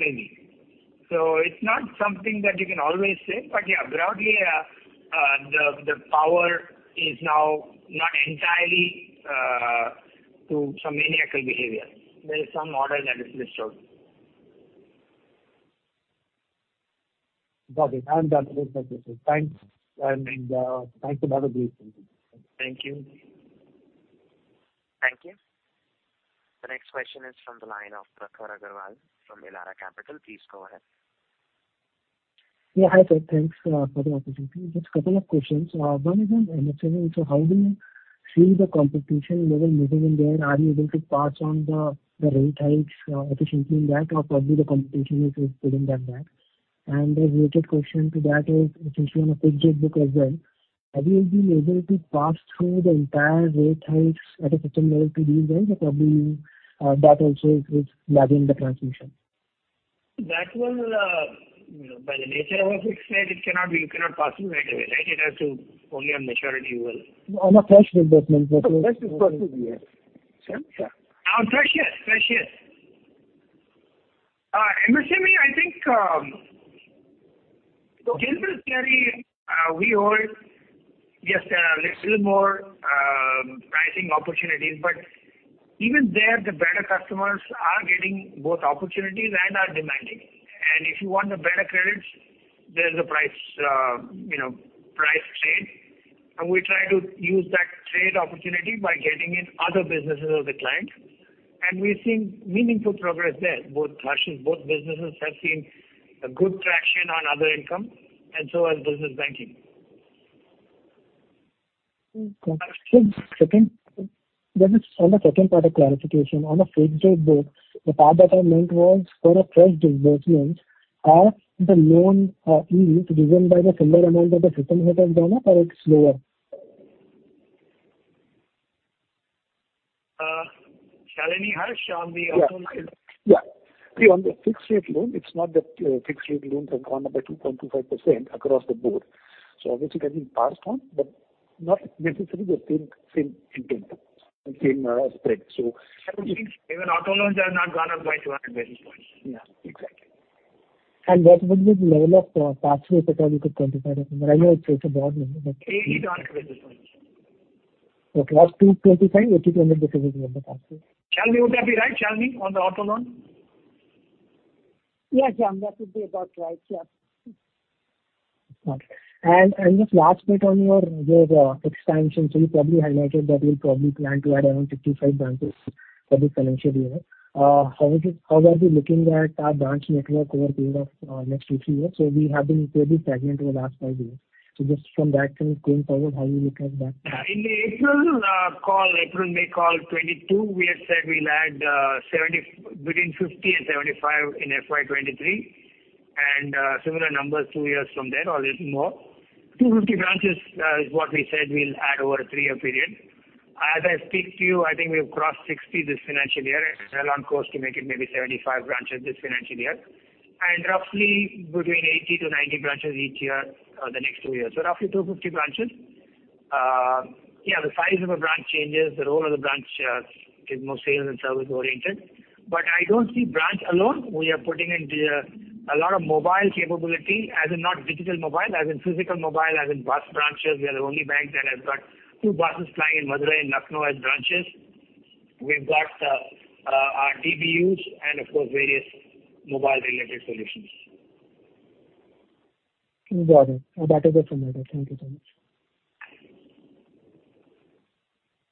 creamy. It's not something that you can always say. Yeah, broadly, the power is now not entirely to some maniacal behavior. There is some order that is restored. Got it. I'm done with my questions. Thanks. Thanks for the opportunity. Thank you. Thank you. The next question is from the line of Prakhar Aggarwal from Elara Capital. Please go ahead. Yeah. Hi, sir. Thanks for the opportunity. Just couple of questions. One is on MSME. How do you see the competition level moving in there? Are you able to pass on the rate hikes efficiently in that, or probably the competition is preventing that back? A related question to that is essentially on a fixed rate book as well. Have you been able to pass through the entire rate hikes at a certain level to these loans, or probably, that also is lagging the transmission? That will, you know, by the nature of a fixed rate it cannot be, you cannot pass it right away, right? It has to only on maturity. On a fresh disbursement. On fresh disbursement, yes. Sorry, sir. On fresh, yes. Fresh, yes. MSME, I think, general theory, we hold just a little more pricing opportunities. Even there the better customers are getting both opportunities and are demanding. If you want the better credits, there's a price, you know, price trade, and we try to use that trade opportunity by getting in other businesses of the client. We're seeing meaningful progress there. Both rushes, both businesses have seen a good traction on other income and so has business banking. Second, just on the second part, a clarification. On the fixed rate book, the part that I meant was for a fresh disbursement, are the loan yields driven by the similar amount that the fixed rate has gone up or it's lower? Shalini or Harsh on the auto loans? Yeah. Yeah. See, on the fixed rate loan, it's not that, fixed rate loans have gone up by 2.25% across the board. Obviously that will be passed on, but not necessarily the same intent, same spread. Even auto loans have not gone up by 200 basis points. Yeah, exactly. What would be the level of pass-through that probably you could quantify? I know it's a broad number, but... 80 basis points. Okay. Up to 25, 80% because of the pass-through. Shalini, would that be right, Shalini, on the auto loan? Yes, Shyam. That would be about right. Yes. Okay. Just last bit on your expansion. You probably highlighted that you'll probably plan to add around 55 branches for this financial year. How would you, how are you looking at branch network over a period of next two, three years? We have been fairly stagnant over the last five years. Just from that and going forward, how you look at that? Yeah. In the April call, April-May call 2022, we had said we'll add 70, between 50 and 75 in FY 2023. Similar numbers two years from there or a little more. 250 branches is what we said we'll add over a 3-year period. As I speak to you, I think we've crossed 60 this financial year and well on course to make it maybe 75 branches this financial year. Roughly between 80-90 branches each year, the next two years. Roughly 250 branches. Yeah, the size of a branch changes. The role of the branch is more sales and service oriented. I don't see branch alone. We are putting into a lot of mobile capability as in not digital mobile, as in physical mobile, as in bus branches. We are the only bank that has got two buses plying in Madurai and Lucknow as branches. We've got our DBUs and of course various mobile related solutions. Got it. That is it from my end. Thank you so much.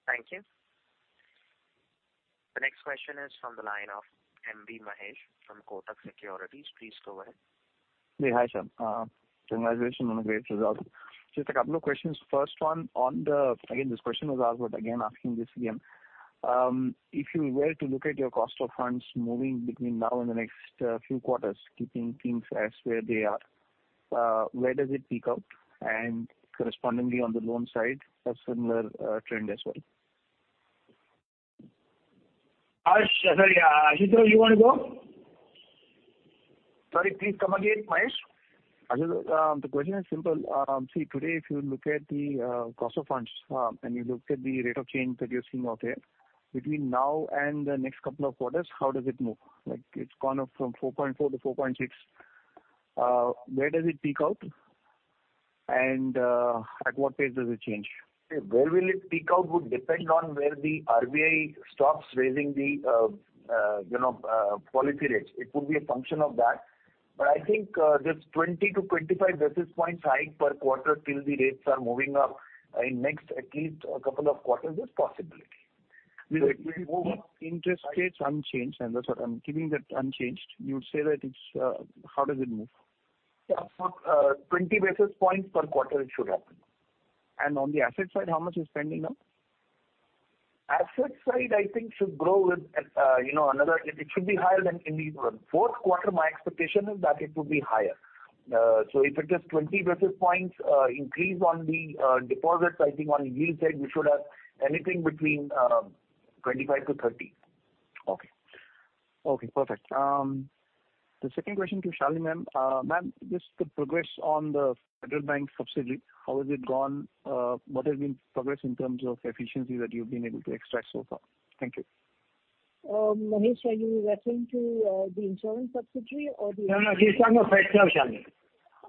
Thank you. The next question is from the line of M.B. Mahesh from Kotak Securities. Please go ahead. Yeah, hi, sir. Congratulations on the great results. Just a couple of questions. First one. Again, this question was asked, but again asking this again. If you were to look at your cost of funds moving between now and the next few quarters, keeping things as where they are, where does it peak out? Correspondingly on the loan side, a similar trend as well. Ash, sorry, yeah. Ashutosh, you want to go? Sorry, please come again, Mahesh. Ashutosh, the question is simple. See, today if you look at the cost of funds, and you look at the rate of change that you're seeing out there, between now and the next couple of quarters, how does it move? Like, it's gone up from 4.4 to 4.6. Where does it peak out? At what pace does it change? Where will it peak out would depend on where the RBI stops raising the, you know, policy rates. It could be a function of that. I think, this 20-25 basis points hike per quarter till the rates are moving up in next at least a couple of quarters is possibility. If you keep interest rates unchanged, and that's what I'm keeping that unchanged, you'd say that it's, how does it move? Yeah. 20 basis points per quarter it should happen. On the asset side, how much is pending now? Asset side I think should grow with, you know, another. It should be higher than in the fourth quarter, my expectation is that it would be higher. If it is 20 basis points increase on the deposits, I think on yield side we should have anything between 25-30 basis points. Okay, perfect. The second question to Shalini, ma'am. Ma'am, just the progress on the Federal Bank subsidiary, how has it gone? What has been progress in terms of efficiency that you've been able to extract so far? Thank you. Mahesh, are you referring to the insurance subsidiary or? No, no. He's talking of FedServ, Shalini.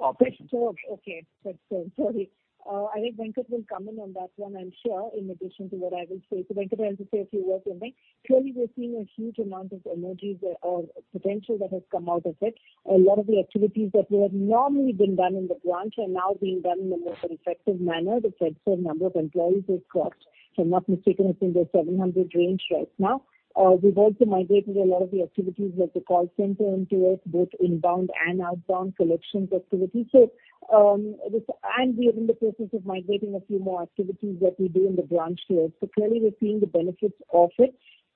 Okay. FedServ. Okay. FedServ. Sorry. I think Venkat will come in on that one, I'm sure, in addition to what I will say. Venkat wants to say a few words, I think. Clearly, we're seeing a huge amount of energy or potential that has come out of it. A lot of the activities that were normally being done in the branch are now being done in a more effective manner. The FedServ number of employees has crossed, if I'm not mistaken, it's in the 700 range right now. We've also migrated a lot of the activities of the call center into it, both inbound and outbound collections activities. And we are in the process of migrating a few more activities that we do in the branch here. Clearly we're seeing the benefits of it.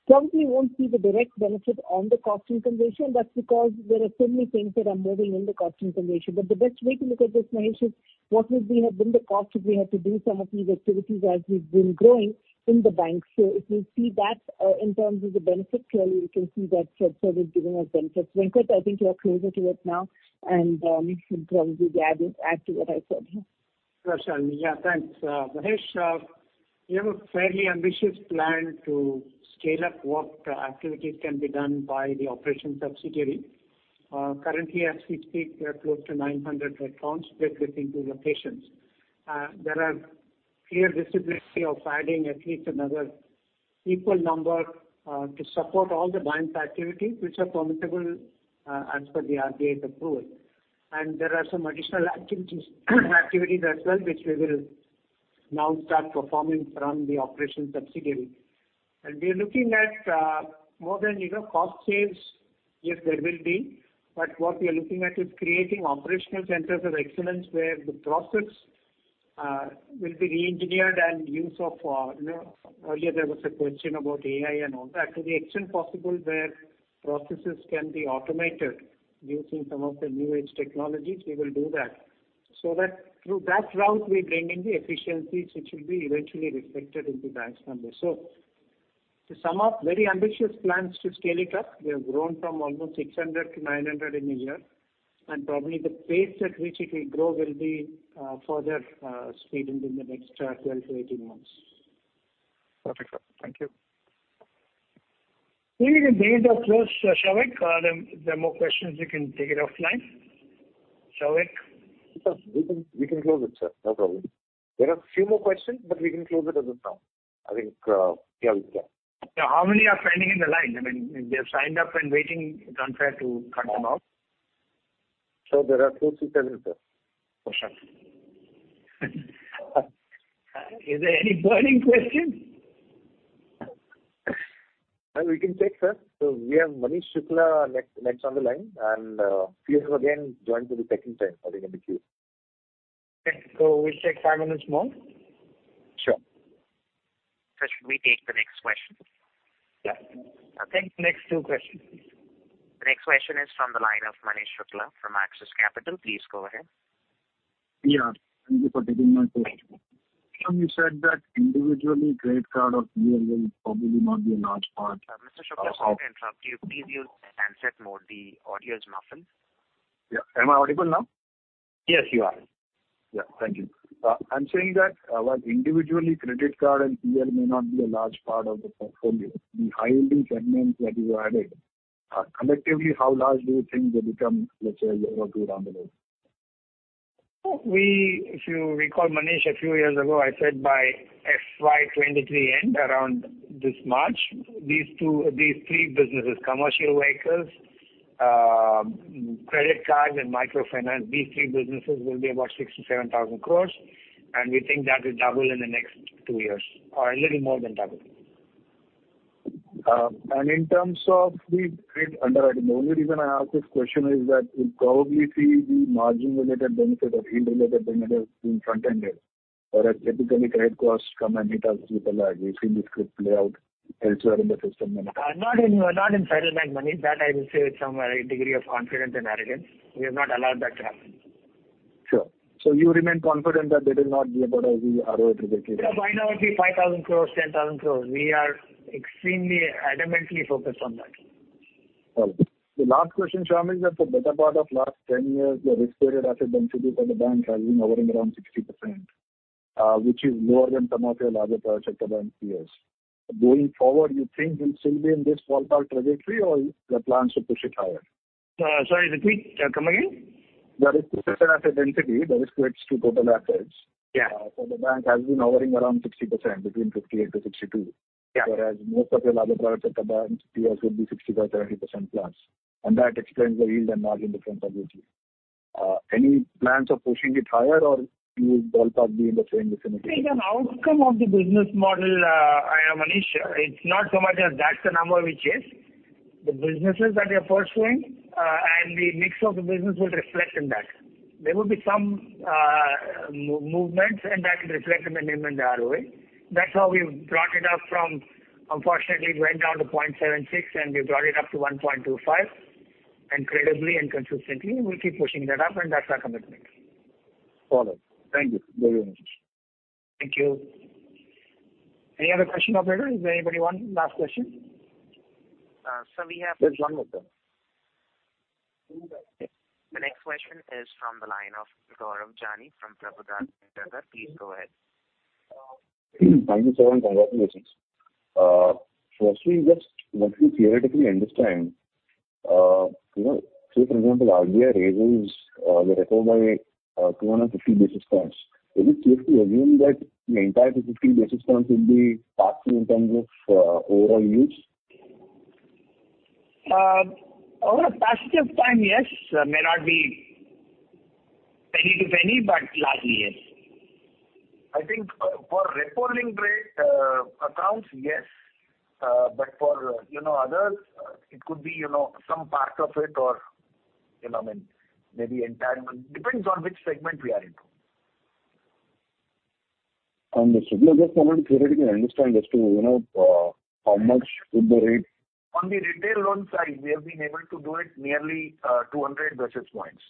Probably won't see the direct benefit on the cost information. That's because there are so many things that are moving in the cost information. The best way to look at this, Mahesh, is what would we have been the cost if we had to do some of these activities as we've been growing in the bank. If you see that, in terms of the benefit, clearly you can see that FedServ giving us benefits. Venkat, I think you are closer to it now and, you should probably be able to add to what I said here. Sure, Shalini. Yeah, thanks. Mahesh, we have a fairly ambitious plan to scale up what activities can be done by the operations subsidiary. Currently as we speak, we are close to 900 accounts spread within two locations. There are clear visibility of adding at least another equal number to support all the bank's activities which are permissible as per the RBI's approval. There are some additional activities as well which we will now start performing from the operations subsidiary. We are looking at more than, you know, cost saves. Yes, there will be. What we are looking at is creating operational centers of excellence where the process will be reengineered and use of, you know, earlier there was a question about AI and all that. To the extent possible, where processes can be automated using some of the new age technologies, we will do that. That through that route we bring in the efficiencies which will be eventually reflected in the bank's numbers. To sum up, very ambitious plans to scale it up. We have grown from almost 600-900 in a year, and probably the pace at which it will grow will be further speeded in the next 12 months-18 months. Perfect, sir. Thank you. I think with this we are close, Souvik. If there are more questions you can take it offline. Souvik? We can close it, sir. No problem. There are a few more questions. We can close it as of now. I think, yeah, we can. How many are standing in the line? I mean, if they're signed up and waiting, it's unfair to cut them off. Sir, there are two, three persons, sir. For sure. Is there any burning question? We can check, sir. We have Manish Shukla next on the line and few have again joined for the second time, I think, in the queue. Okay. We'll take five minutes more. Should we take the next question? Yeah. Okay. Next two questions, please. The next question is from the line of Manish Shukla from Axis Capital. Please go ahead. Yeah. Thank you for taking my call. Thank you. You said that individually, credit card or PL will probably not be a large part- Mr. Shukla, sorry to interrupt you. Please use handset mode. The audio is muffled. Yeah. Am I audible now? Yes, you are. Yeah. Thank you. I'm saying that, while individually credit card and PL may not be a large part of the portfolio, the high-end segments that you added, collectively how large do you think they become, let's say, a year or 2 down the road? If you recall, Manish, a few years ago, I said by FY 2023 end, around this March, these three businesses, commercial vehicles, credit cards and microfinance, these three businesses will be about 67,000 crore, and we think that will double in the next two years or a little more than double. In terms of the credit underwriting, the only reason I ask this question is that we'll probably see the margin-related benefit or yield-related benefit being frontended. Whereas typically, credit costs come and hit us with a lag. We've seen this could play out elsewhere in the system and- Not in, not in Federal Bank, Manish. That I will say with some degree of confidence and arrogance. We have not allowed that to happen. Sure. You remain confident that there will not be a broad ROE trajectory? By now it'll be 5,000 crores, 10,000 crores. We are extremely adamantly focused on that. Got it. The last question, Shyam, is that the better part of last 10 years, the risk-weighted asset density for the bank has been hovering around 60%, which is lower than some of your larger private sector bank peers. Going forward, you think we'll still be in this ballpark trajectory or there are plans to push it higher? Sorry, repeat. Come again. The risk-weighted asset density, the risk weights to total assets. Yeah. for the bank has been hovering around 60%, between 58%-62%. Yeah. Whereas most of your larger private sector bank peers would be 65, 30%+ and that explains the yield and margin difference obviously. Any plans of pushing it higher or you will ballpark be in the same vicinity? It is an outcome of the business model, Manish. It's not so much as that's the number we chase. The businesses that we are pursuing and the mix of the business will reflect in that. There will be some movements and that will reflect in the NIM and the ROE. That's how we've brought it up from. Unfortunately, it went down to 0.76 and we brought it up to 1.25 and credibly and consistently we'll keep pushing that up and that's our commitment. Got it. Thank you very much. Thank you. Any other question, operator? Does anybody want last question? we have- There's one more, sir. The next question is from the line of Gaurav Jani from Prabhudas Lilladher. Please go ahead. Thank you, sir and congratulations. Firstly just want to theoretically understand, you know, say for example, RBI raises the repo by 250 basis points. Is it safe to assume that the entire 250 basis points will be passed through in terms of overall use? Over a passage of time, yes. May not be penny to penny, but largely, yes. I think for repo-linked rate accounts, yes. For, you know, others, it could be, you know, some part of it or, you know, I mean, maybe entire amount. Depends on which segment we are into. Understood. Just wanted to theoretically understand as to, you know, how much would the. On the retail loan side, we have been able to do it nearly 200 basis points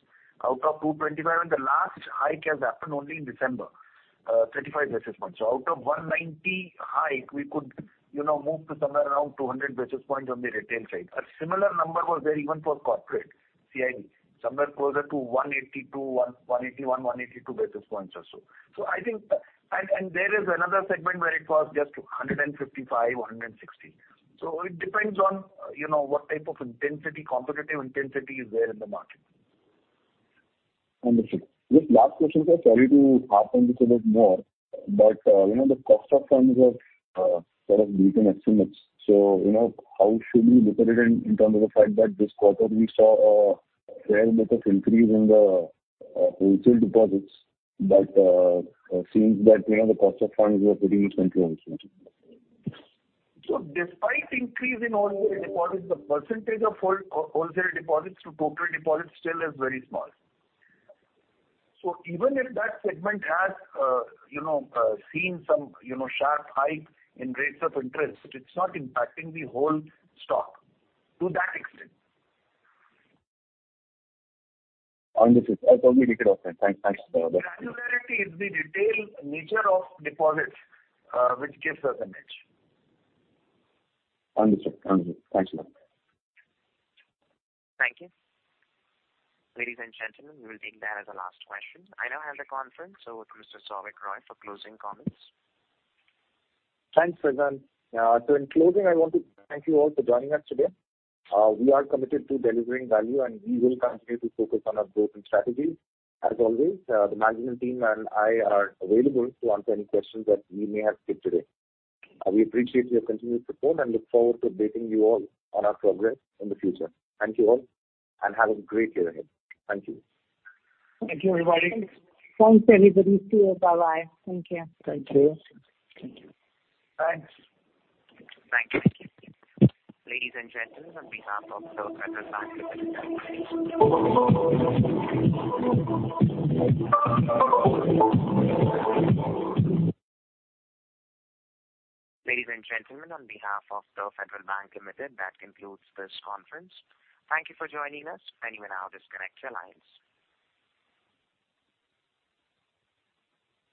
out of 225 and the last hike has happened only in December, 35 basis points. Out of 190 hike, we could, you know, move to somewhere around 200 basis points on the retail side. A similar number was there even for corporate CIB, somewhere closer to 181, 182 basis points or so. I think. And there is another segment where it was just 155, 160. It depends on, you know, what type of intensity, competitive intensity is there in the market. Understood. Just last question, sir. Sorry to harp on this a bit more. You know, the cost of funds have sort of beaten estimates. You know, how should we look at it in terms of the fact that this quarter we saw a fair bit of increase in the wholesale deposits, but it seems that, you know, the cost of funds were pretty much controlled. Despite increase in wholesale deposits, the percentage of wholesale deposits to total deposits still is very small. Even if that segment has, you know, seen some, you know, sharp hike in rates of interest, it's not impacting the whole stock to that extent. Understood. It's totally decreed, okay. Thanks. Thanks for that. Granularity is the retail nature of deposits, which gives us an edge. Understood. Understood. Thanks a lot. Thank you. Ladies and gentlemen, we will take that as the last question. I now hand the conference over to Mr. Souvik Roy for closing comments. Thanks, Prashan. In closing, I want to thank you all for joining us today. We are committed to delivering value and we will continue to focus on our growth and strategy. As always, the management team and I are available to answer any questions that we may have skipped today. We appreciate your continued support and look forward to updating you all on our progress in the future. Thank you all and have a great year ahead. Thank you. Thank you everybody. Thanks everybody. See you. Bye bye. Thank you. Thank you. Thanks. Thank you. Ladies and gentlemen, on behalf of The Federal Bank Limited, that concludes this conference. Thank you for joining us. You may now disconnect your lines.